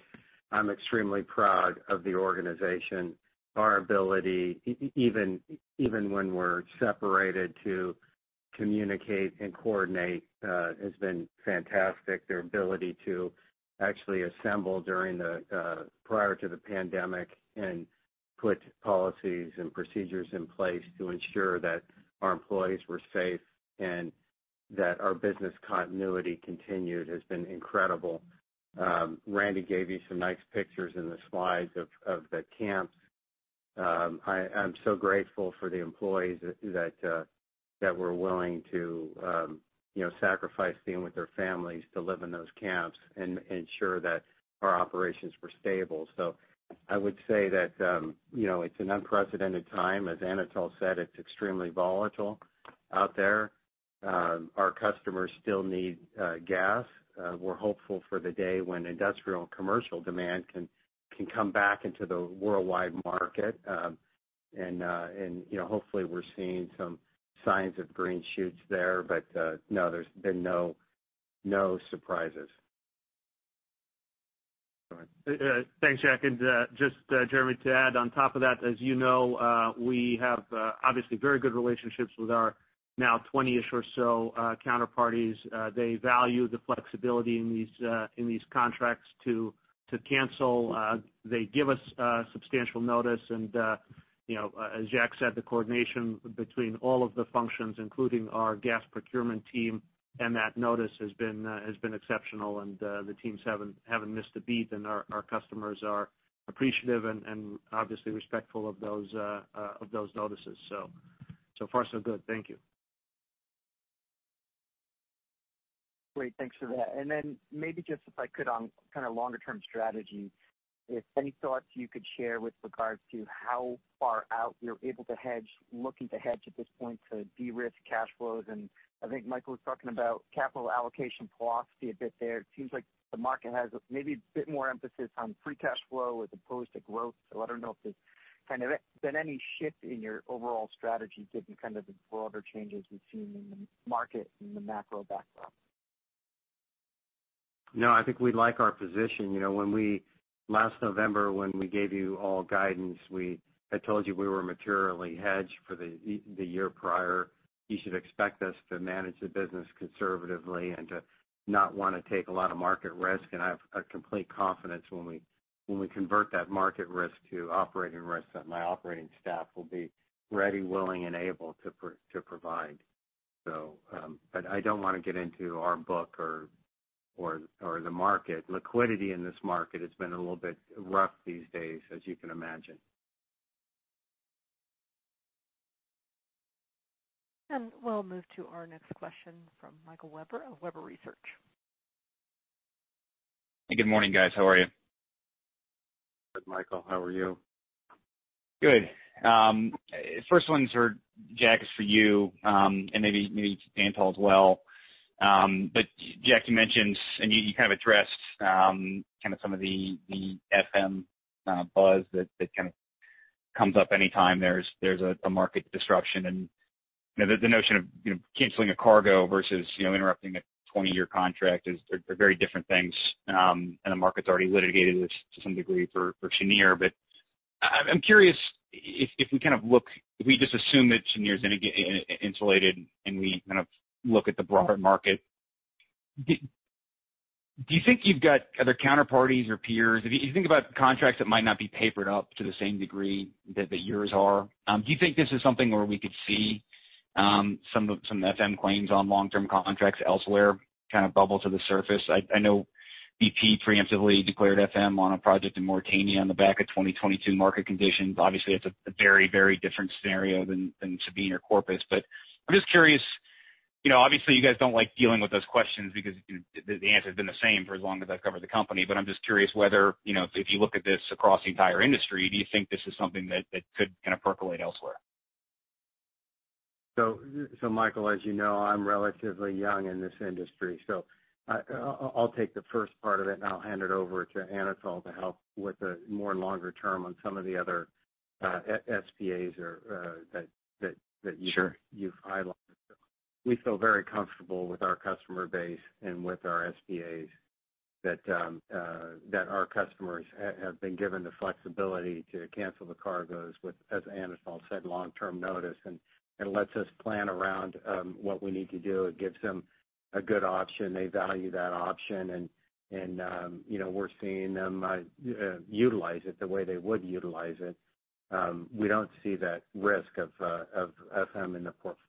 I'm extremely proud of the organization. Our ability, even when we're separated, to communicate and coordinate has been fantastic. Their ability to actually assemble prior to the pandemic and put policies and procedures in place to ensure that our employees were safe and that our business continuity continued has been incredible. Randy gave you some nice pictures in the slides of the camps. I am so grateful for the employees that were willing to sacrifice being with their families to live in those camps and ensure that our operations were stable. I would say that it's an unprecedented time. As Anatol said, it's extremely volatile out there. Our customers still need gas. We're hopeful for the day when industrial and commercial demand can come back into the worldwide market. Hopefully we're seeing some signs of green shoots there. No, there's been no surprises. Thanks, Jack. Just, Jeremy, to add on top of that, as you know, we have obviously very good relationships with our now 20-ish or so counterparties. They value the flexibility in these contracts to cancel. They give us substantial notice and as Jack said, the coordination between all of the functions, including our gas procurement team, and that notice has been exceptional. The teams haven't missed a beat, and our customers are appreciative and obviously respectful of those notices. So far so good. Thank you. Great. Thanks for that. Then maybe just if I could on kind of longer-term strategy, if any thoughts you could share with regards to how far out you're able to hedge, looking to hedge at this point to de-risk cash flows? I think Michael was talking about capital allocation philosophy a bit there. It seems like the market has maybe a bit more emphasis on free cash flow as opposed to growth. I don't know if there's kind of been any shift in your overall strategy given kind of the broader changes we've seen in the market and the macro backdrop? No, I think we like our position. Last November when we gave you all guidance, I told you we were materially hedged for the year prior. You should expect us to manage the business conservatively and to not want to take a lot of market risk. I have a complete confidence when we convert that market risk to operating risk, that my operating staff will be ready, willing, and able to provide. I don't want to get into our book or the market. Liquidity in this market has been a little bit rough these days, as you can imagine. We'll move to our next question from Michael Webber of Webber Research. Good morning, guys. How are you? Good, Michael, how are you? Good. First one, Jack, is for you, and maybe to Anatol as well. Jack, you mentioned, and you kind of addressed kind of some of the FM buzz that kind of comes up anytime there's a market disruption and the notion of canceling a cargo versus interrupting a 20-year contract are very different things. The market's already litigated this to some degree for Cheniere. I'm curious if we just assume that Cheniere is insulated and we kind of look at the broader market, do you think you've got other counterparties or If you think about contracts that might not be papered up to the same degree that yours are, do you think this is something where we could see some FM claims on long-term contracts elsewhere kind of bubble to the surface? I know BP preemptively declared FM on a project in Mauritania on the back of 2022 market conditions. Obviously, that's a very different scenario than Sabine or Corpus. I'm just curious, obviously, you guys don't like dealing with those questions because the answer's been the same for as long as I've covered the company. I'm just curious whether, if you look at this across the entire industry, do you think this is something that could kind of percolate elsewhere? Michael, as you know, I'm relatively young in this industry. I'll take the first part of it, and I'll hand it over to Anatol to help with the more longer term on some of the other SPAs that you've highlighted. Sure We feel very comfortable with our customer base and with our SPAs that our customers have been given the flexibility to cancel the cargoes with, as Anatol said, long-term notice. It lets us plan around what we need to do. It gives them a good option. They value that option, and we're seeing them utilize it the way they would utilize it. We don't see that risk of FM in the portfolio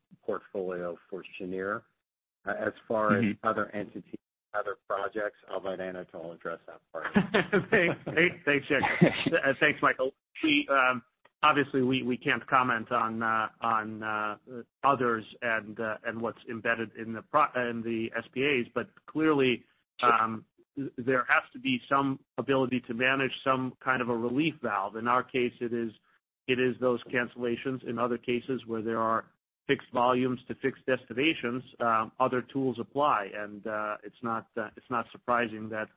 for Cheniere. As far as other entities and other projects, I'll let Anatol address that part. Thanks, Jack. Thanks, Michael. Obviously, we can't comment on others and what's embedded in the SPAs. Clearly there has to be some ability to manage some kind of a relief valve. In our case, it is those cancellations. In other cases where there are fixed volumes to fixed destinations, other tools apply. It's not surprising that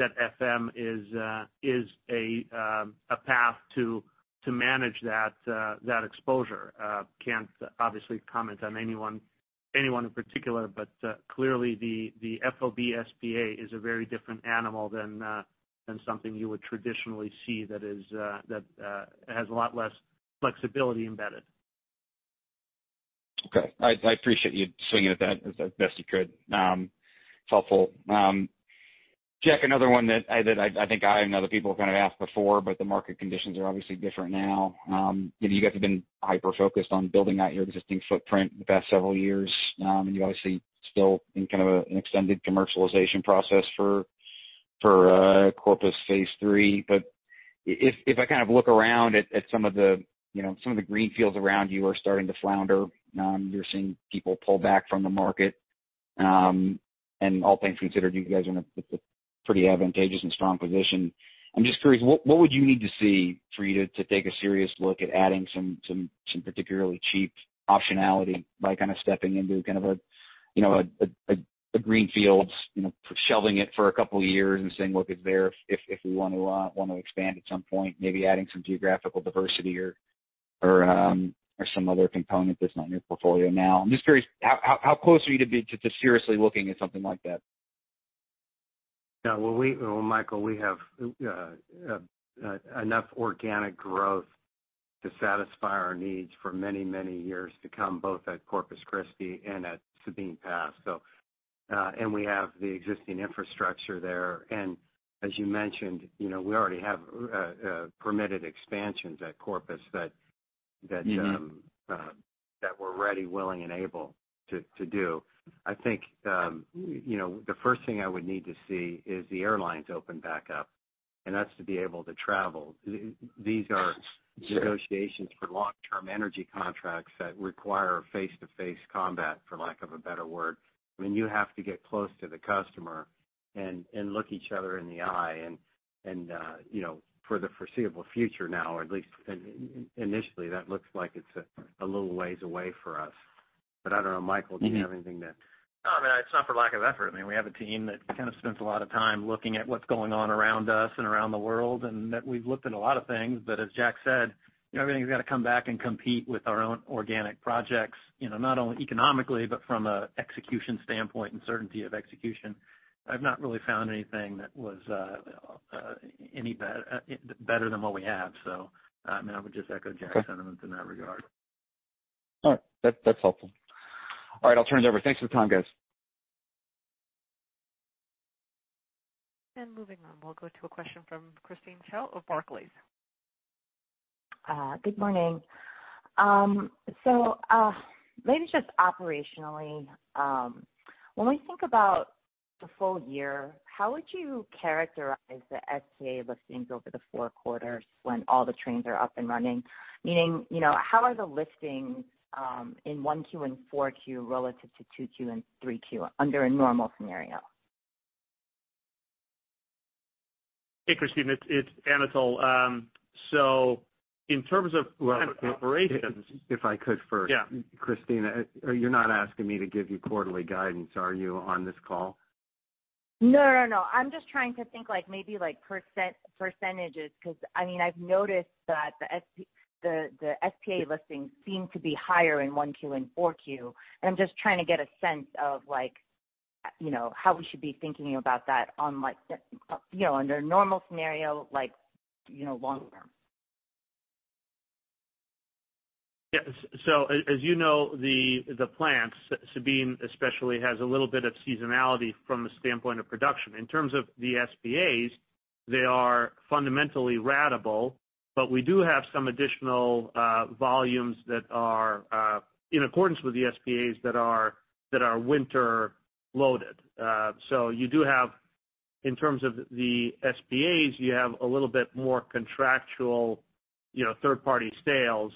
FM is a path to manage that exposure. Can't obviously comment on anyone in particular, but clearly the FOB SPA is a very different animal than something you would traditionally see that has a lot less flexibility embedded. Okay. I appreciate you swinging at that as best you could. It's helpful. Jack, another one that I think I and other people have kind of asked before. The market conditions are obviously different now. You guys have been hyper-focused on building out your existing footprint the past several years. You obviously still in kind of an extended commercialization process for Corpus phase three. If I look around at some of the greenfields around you are starting to flounder. You're seeing people pull back from the market. All things considered, you guys are in a pretty advantageous and strong position. I'm just curious, what would you need to see for you to take a serious look at adding some particularly cheap optionality by stepping into a greenfields, shelving it for a couple of years and saying, "Look, it's there if we want to expand at some point," maybe adding some geographical diversity or some other component that's not in your portfolio now. I'm just curious, how close are you to seriously looking at something like that? Yeah. Well, Michael, we have enough organic growth to satisfy our needs for many, many years to come, both at Corpus Christi and at Sabine Pass. We have the existing infrastructure there. As you mentioned, we already have permitted expansions at Corpus. That we're ready, willing, and able to do. I think, the first thing I would need to see is the airlines open back up, and that's to be able to travel. These are negotiations for long-term energy contracts that require face-to-face combat, for lack of a better word. You have to get close to the customer and look each other in the eye, and for the foreseeable future now, or at least initially, that looks like it's a little ways away for us. I don't know, Michael, do you have anything to? No, it's not for lack of effort. We have a team that spends a lot of time looking at what's going on around us and around the world, and that we've looked at a lot of things. As Jack said, everything's got to come back and compete with our own organic projects, not only economically, but from a execution standpoint and certainty of execution. I've not really found anything that was any better than what we have. I would just echo Jack's sentiments in that regard. All right. That's helpful. All right, I'll turn it over. Thanks for the time, guys. Moving on, we'll go to a question from Christine Cho of Barclays. Good morning. Maybe just operationally, when we think about the full year, how would you characterize the SPA listings over the four quarters when all the trains are up and running? Meaning, how are the listings in Q1 and Q4 relative to Q2 and Q3 under a normal scenario? Hey, Christine, it's Anatol. In terms of operations. If I could first. Yeah. Christine, you're not asking me to give you quarterly guidance, are you, on this call? No, I'm just trying to think maybe like percentage, because I've noticed that the SPA listings seem to be higher in Q1 and Q4. I'm just trying to get a sense of how we should be thinking about that under a normal scenario longer term. Yes. As you know, the plants, Sabine especially, has a little bit of seasonality from a standpoint of production. In terms of the SPAs, they are fundamentally ratable, but we do have some additional volumes that are in accordance with the SPAs that are winter loaded. You do have, in terms of the SPAs, you have a little bit more contractual third-party sales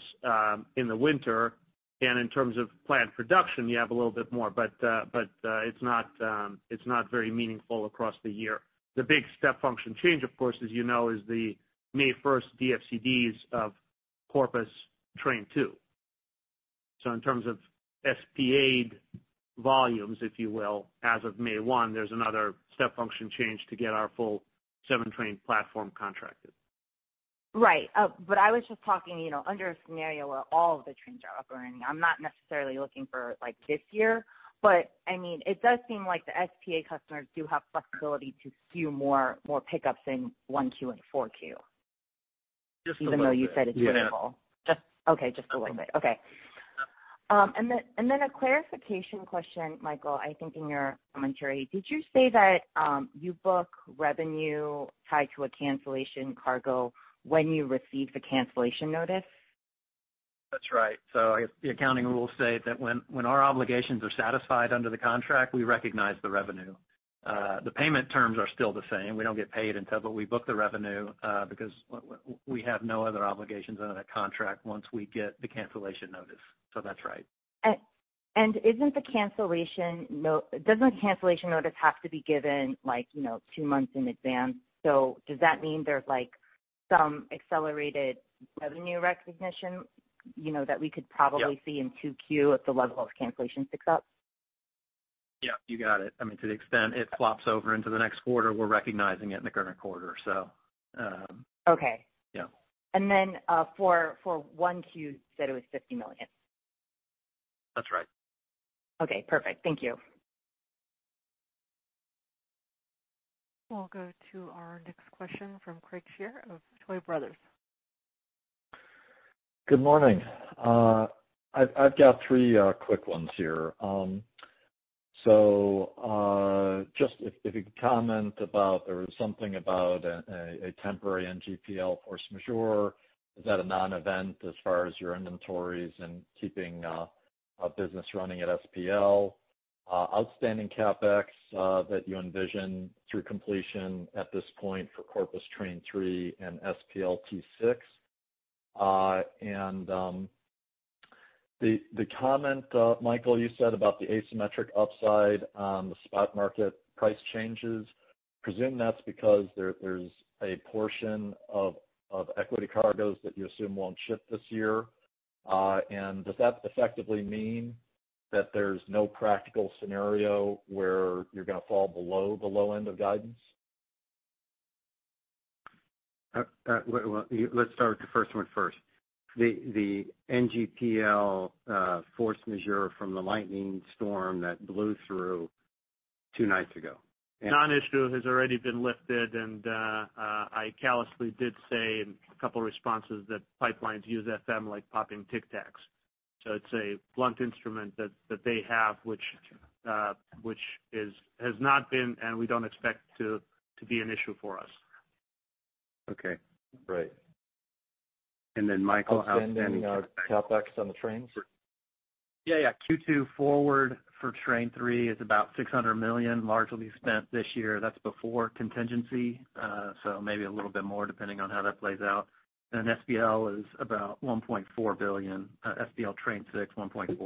in the winter. In terms of plant production, you have a little bit more. It's not very meaningful across the year. The big step function change, of course, as you know, is the May 1st DFCD of Corpus train 2. In terms of SPA'd volumes, if you will, as of May 1, there's another step function change to get our full seven-train platform contracted. Right. I was just talking under a scenario where all of the trains are up and running. I'm not necessarily looking for this year. It does seem like the SPA customers do have flexibility to skew more pickups in Q1 and Q4. Just a little bit. Even though you said it's ratable. Okay, just a little bit. Okay. A clarification question, Michael, I think in your commentary. Did you say that you book revenue tied to a cancellation cargo when you receive the cancellation notice? That's right. The accounting rules state that when our obligations are satisfied under the contract, we recognize the revenue. The payment terms are still the same. We don't get paid but we book the revenue because we have no other obligations under that contract once we get the cancellation notice. That's right. Doesn't the cancellation notice have to be given two months in advance? Does that mean there's some accelerated revenue recognition that we could probably see in Q2 if the level of cancellations picks up? Yeah, you got it. To the extent it flops over into the next quarter, we're recognizing it in the current quarter. Okay. Yeah. For Q1, you said it was $50 million. That's right. Okay, perfect. Thank you. We'll go to our next question from Craig Shere of Tuohy Brothers. Good morning. I've got three quick ones here. Just if you could comment about, there was something about a temporary NGPL force majeure. Is that a non-event as far as your inventories and keeping business running at SPL? Outstanding CapEx that you envision through completion at this point for Corpus Train 3 and SPL T6? The comment, Michael, you said about the asymmetric upside on the spot market price changes, I presume that's because there's a portion of equity cargoes that you assume won't ship this year. Does that effectively mean that there's no practical scenario where you're going to fall below the low end of guidance? Let's start with the first one first. The NGPL force majeure from the lightning storm that blew through two nights ago. Non-issue. It has already been lifted, and I callously did say in a couple responses that pipelines use FM like popping Tic Tac. It's a blunt instrument that they have, which has not been, and we don't expect to be an issue for us. Okay. Great. Michael. Outstanding CapEx on the trains. Yeah. Q2 forward for Train 3 is about $600 million, largely spent this year. That's before contingency, so maybe a little bit more depending on how that plays out. SPL is about $1.4 billion. SPL Train 6, $1.4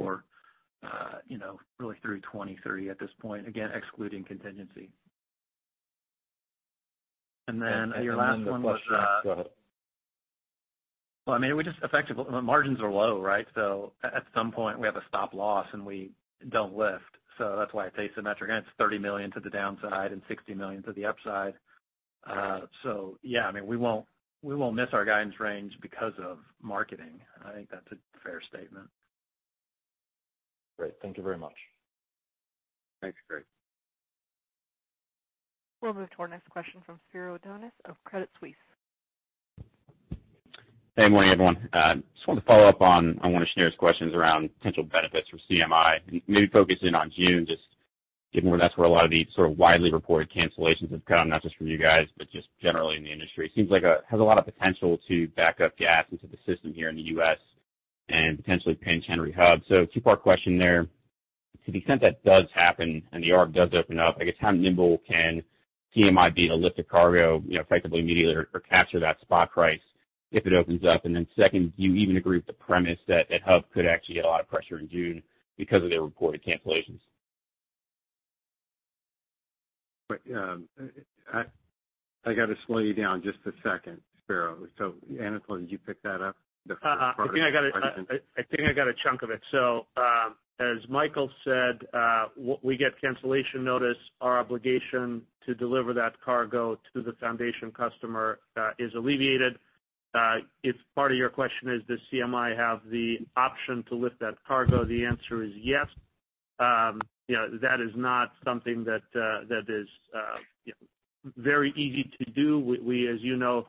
billion, really through 2023 at this point, again, excluding contingency. Go ahead. Well, margins are low, right? At some point, we have a stop loss, and we don't lift. That's why asymmetric, and it's $30 million to the downside and $60 million to the upside. Yeah, we won't miss our guidance range because of marketing. I think that's a fair statement. Great. Thank you very much. Thanks, Craig. We'll move to our next question from Spiro Dounis of Credit Suisse. Hey, good morning, everyone. Just wanted to follow up on one of Shneur's questions around potential benefits for CMI, maybe focusing on June, just given where that's where a lot of the sort of widely reported cancellations have come, not just from you guys, but just generally in the industry. It seems like it has a lot of potential to back up gas into the system here in the U.S. and potentially pinch Henry Hub. Two-part question there. To the extent that does happen and the arc does open up, I guess how nimble can CMI be to lift a cargo effectively, immediately or capture that spot price if it opens up? Second, do you even agree with the premise that that hub could actually get a lot of pressure in June because of the reported cancellations? Wait, I got to slow you down just a second, Spiro. Anatol, did you pick that up, the first part of the question? I think I got a chunk of it. As Michael said, we get cancellation notice, our obligation to deliver that cargo to the foundation customer is alleviated. If part of your question is, does CMI have the option to lift that cargo? The answer is yes. That is not something that is very easy to do. We, as you know,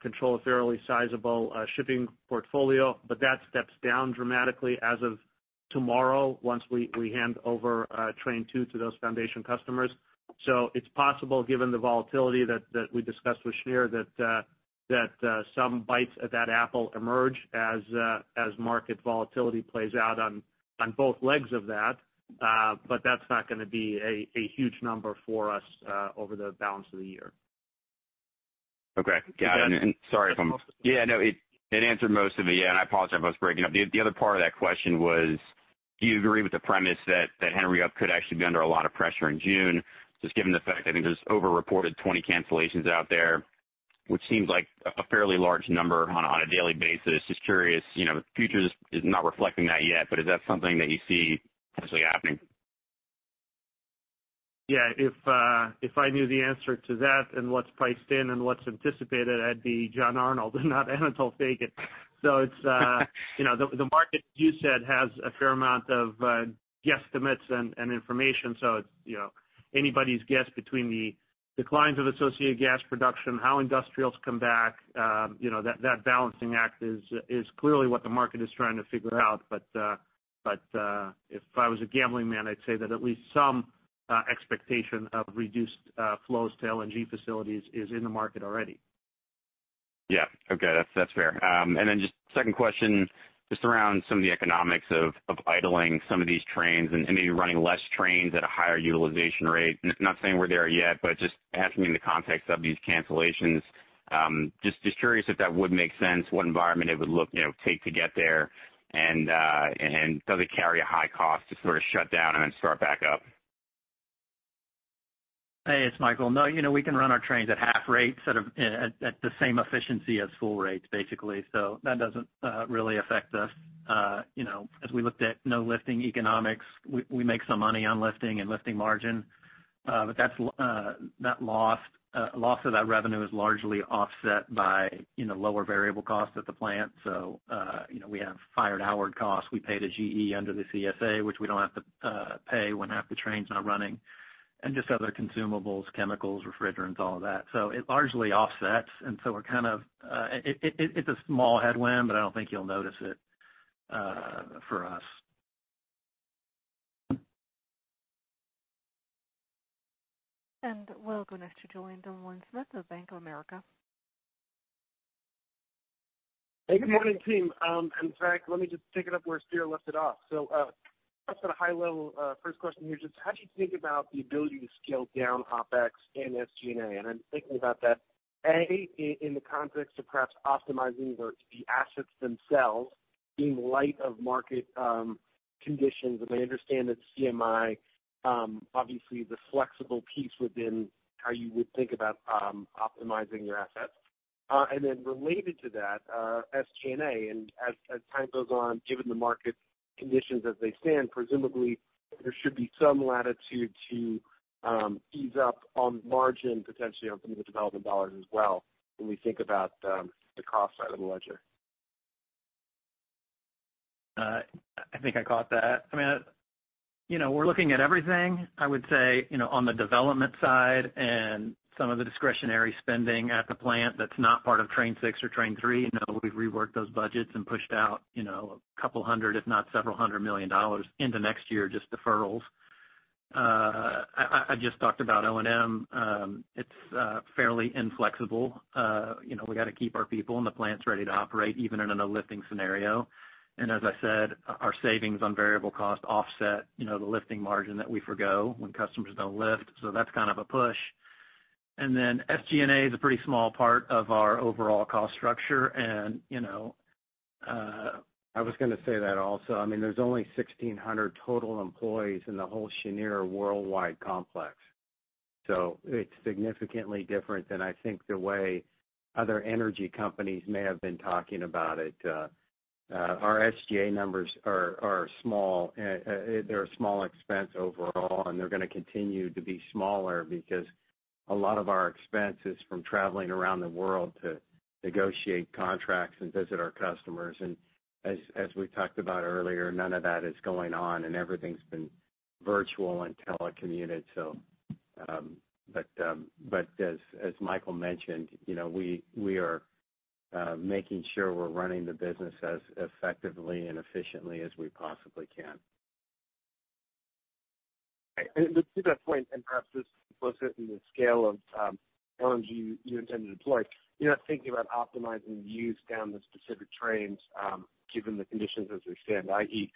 control a fairly sizable shipping portfolio, but that steps down dramatically as of tomorrow, once we hand over Train 2 to those foundation customers. It's possible, given the volatility that we discussed with Shneur, that some bites of that apple emerge as market volatility plays out on both legs of that. That's not going to be a huge number for us over the balance of the year. Okay. Got it. Yeah, no, it answered most of it. Yeah, I apologize if I was breaking up. The other part of that question was, do you agree with the premise that Henry Hub could actually be under a lot of pressure in June, just given the fact I think there's over-reported 20 cancellations out there, which seems like a fairly large number on a daily basis. Just curious, futures is not reflecting that yet, is that something that you see potentially happening? If I knew the answer to that and what's priced in and what's anticipated, I'd be John Arnold and not Anatol Feygin. The market, as you said, has a fair amount of guesstimates and information. It's anybody's guess between the declines of associated gas production, how industrials come back. That balancing act is clearly what the market is trying to figure out. If I was a gambling man, I'd say that at least some expectation of reduced flows to LNG facilities is in the market already. Yeah. Okay. That's fair. And then just second question, just around some of the economics of idling some of these trains and maybe running less trains at a higher utilization rate. Not saying we're there yet, but just asking in the context of these cancellations. Just curious if that would make sense, what environment it would take to get there, and does it carry a high cost to sort of shut down and then start back up? Hey, it's Michael. No, we can run our trains at half rate, at the same efficiency as full rates, basically. That doesn't really affect us. As we looked at no lifting economics, we make some money on lifting and lifting margin. That loss of that revenue is largely offset by lower variable costs at the plant. We have fired hour costs. We pay to GE under the CSA, which we don't have to pay when half the train's not running, and just other consumables, chemicals, refrigerants, all of that. It largely offsets. It's a small headwind, but I don't think you'll notice it for us. We'll go next to Julien Dumoulin-Smith of Bank of America. Hey, good morning, team. Jack, let me just pick it up where Spiro left it off. Just at a high level, first question here is just how do you think about the ability to scale down OpEx and SG&A? I'm thinking about that, A, in the context of perhaps optimizing the assets themselves in light of market conditions. I understand that CMI, obviously the flexible piece within how you would think about optimizing your assets. Then related to that, SG&A, as time goes on, given the market conditions as they stand, presumably there should be some latitude to ease up on margin potentially on some of the development dollars as well when we think about the cost side of the ledger. I think I caught that. We're looking at everything, I would say, on the development side and some of the discretionary spending at the plant that's not part of train six or train three. We've reworked those budgets and pushed out a couple hundred, if not several $100 million into next year, just deferrals. I just talked about O&M. It's fairly inflexible. We got to keep our people and the plants ready to operate even in a lifting scenario. As I said, our savings on variable cost offset the lifting margin that we forego when customers don't lift. That's kind of a push. Then SG&A is a pretty small part of our overall cost structure. I was going to say that also. There's only 1,600 total employees in the whole Cheniere worldwide complex. It's significantly different than I think the way other energy companies may have been talking about it. Our SG&A numbers are small. They're a small expense overall, and they're going to continue to be smaller because a lot of our expense is from traveling around the world to negotiate contracts and visit our customers. As we talked about earlier, none of that is going on, and everything's been virtual and telecommuted. As Michael mentioned, we are making sure we're running the business as effectively and efficiently as we possibly can. To that point, and perhaps this is implicit in the scale of LNG you intend to deploy, you're not thinking about optimizing use down the specific trains given the conditions as they stand, i.e.,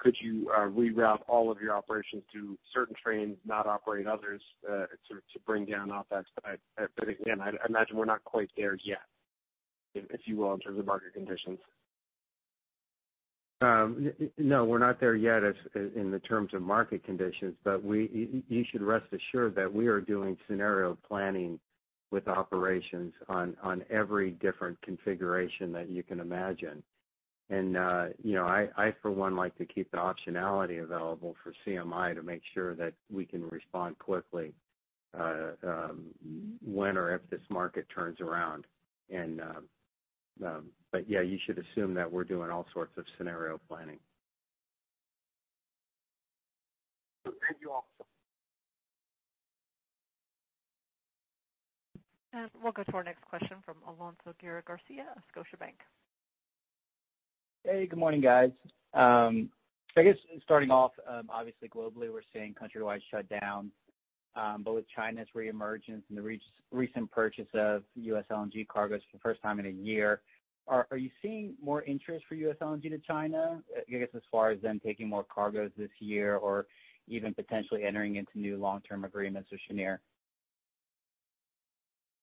could you reroute all of your operations to certain trains, not operate others to bring down OpEx? Again, I imagine we're not quite there yet, if you will, in terms of market conditions. No, we're not there yet in the terms of market conditions. You should rest assured that we are doing scenario planning with operations on every different configuration that you can imagine. I for one like to keep the optionality available for CMI to make sure that we can respond quickly when or if this market turns around. Yeah, you should assume that we're doing all sorts of scenario planning. Thank you. Awesome. We'll go to our next question from Alonso Guerra-Garcia of Scotiabank. Hey, good morning, guys. I guess starting off, obviously globally, we're seeing countrywide shutdowns. With China's reemergence and the recent purchase of U.S. LNG cargoes for the first time in a year, are you seeing more interest for U.S. LNG to China, I guess, as far as them taking more cargoes this year or even potentially entering into new long-term agreements with Cheniere?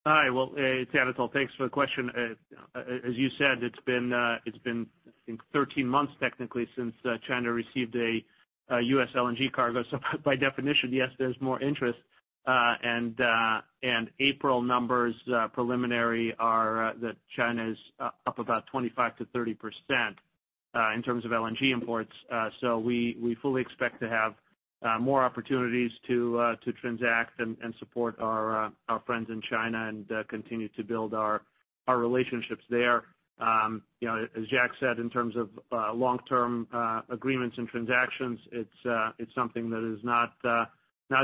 Hi. Well, it's Anatol. Thanks for the question. As you said, it's been 13 months technically since China received a U.S. LNG cargo. By definition, yes, there's more interest. April numbers preliminary are that China is up about 25%-30% in terms of LNG imports. We fully expect to have more opportunities to transact and support our friends in China and continue to build our relationships there. As Jack said, in terms of long-term agreements and transactions, it's something that is not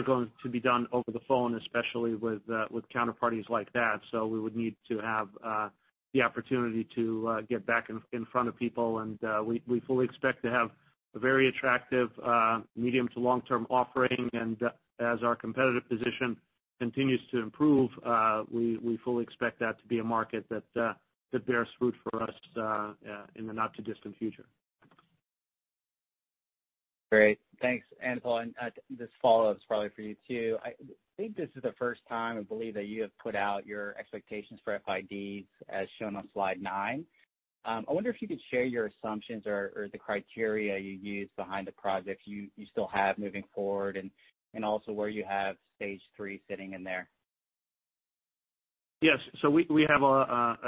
going to be done over the phone, especially with counterparties like that. We would need to have the opportunity to get back in front of people, and we fully expect to have a very attractive medium to long-term offering. As our competitive position continues to improve, we fully expect that to be a market that bears fruit for us in the not-too-distant future. Great. Thanks, Anatol. This follow-up is probably for you, too. I think this is the first time I believe that you have put out your expectations for FIDs as shown on slide nine. I wonder if you could share your assumptions or the criteria you use behind the projects you still have moving forward and also where you have stage 3 sitting in there. Yes. We have a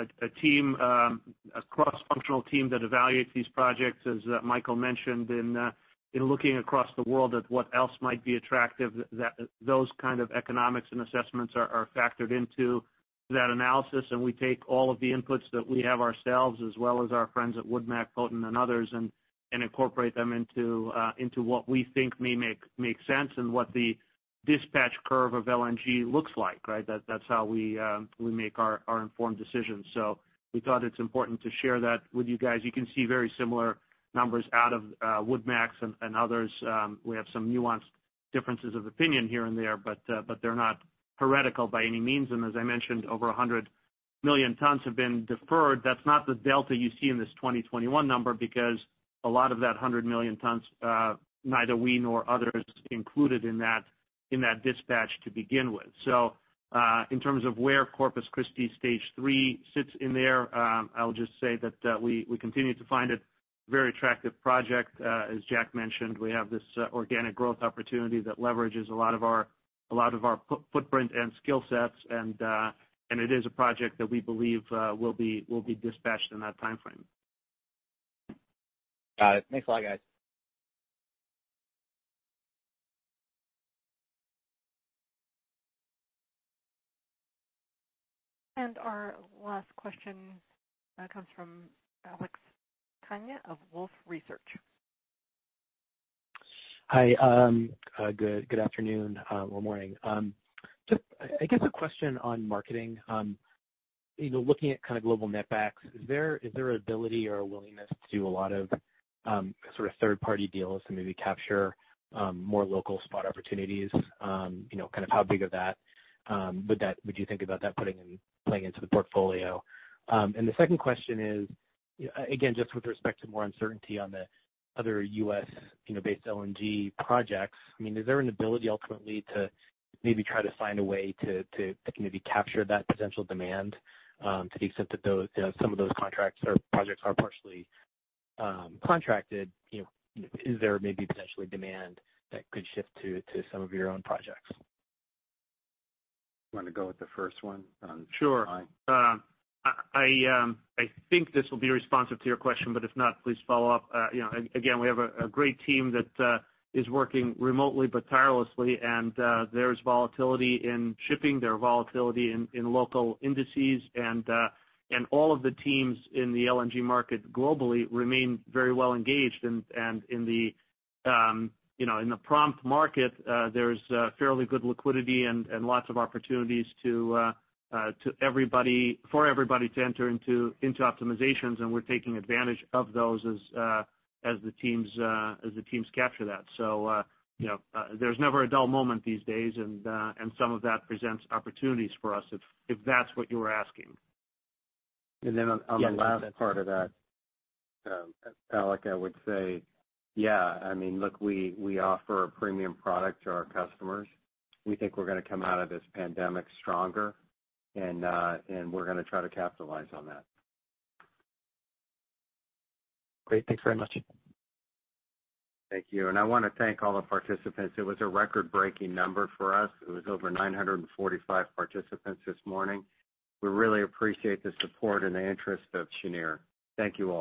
cross-functional team that evaluates these projects, as Michael mentioned, in looking across the world at what else might be attractive. Those kind of economics and assessments are factored into that analysis, and we take all of the inputs that we have ourselves, as well as our friends at WoodMac, Poten and others, and incorporate them into what we think may make sense and what the dispatch curve of LNG looks like. That's how we make our informed decisions. We thought it's important to share that with you guys. You can see very similar numbers out of WoodMac's and others. We have some nuanced differences of opinion here and there, but they're not heretical by any means. As I mentioned, over 100 Million tons have been deferred. That's not the delta you see in this 2021 number, because a lot of that 100 million tons, neither we nor others included in that dispatch to begin with. In terms of where Corpus Christi Stage 3 sits in there, I'll just say that we continue to find it very attractive project. As Jack mentioned, we have this organic growth opportunity that leverages a lot of our footprint and skill sets. It is a project that we believe, will be dispatched in that timeframe. Got it. Thanks a lot, guys. Our last question comes from Alex Kania of Wolfe Research. Hi, good afternoon, or morning. Just, I guess a question on marketing. Looking at global netbacks, is there ability or willingness to do a lot of sort of third-party deals to maybe capture more local spot opportunities? Kind of how big would you think about that playing into the portfolio? The second question is, again, just with respect to more uncertainty on the other U.S.-based LNG projects. I mean, is there an ability ultimately to maybe try to find a way to maybe capture that potential demand, to the extent that some of those contracts or projects are partially contracted? Is there maybe potentially demand that could shift to some of your own projects? You want to go with the first one? Sure. I think this will be responsive to your question, but if not, please follow up. We have a great team that is working remotely but tirelessly, and there's volatility in shipping, there are volatility in local indices. All of the teams in the LNG market globally remain very well-engaged. In the prompt market, there's fairly good liquidity and lots of opportunities for everybody to enter into optimizations, and we're taking advantage of those as the teams capture that. There's never a dull moment these days, and some of that presents opportunities for us, if that's what you were asking. On the last part of that, Alex, I would say, yeah. I mean, look, we offer a premium product to our customers. We think we're going to come out of this pandemic stronger and we're going to try to capitalize on that. Great. Thanks very much. Thank you. I want to thank all the participants. It was a record-breaking number for us. It was over 945 participants this morning. We really appreciate the support and the interest of Cheniere. Thank you all.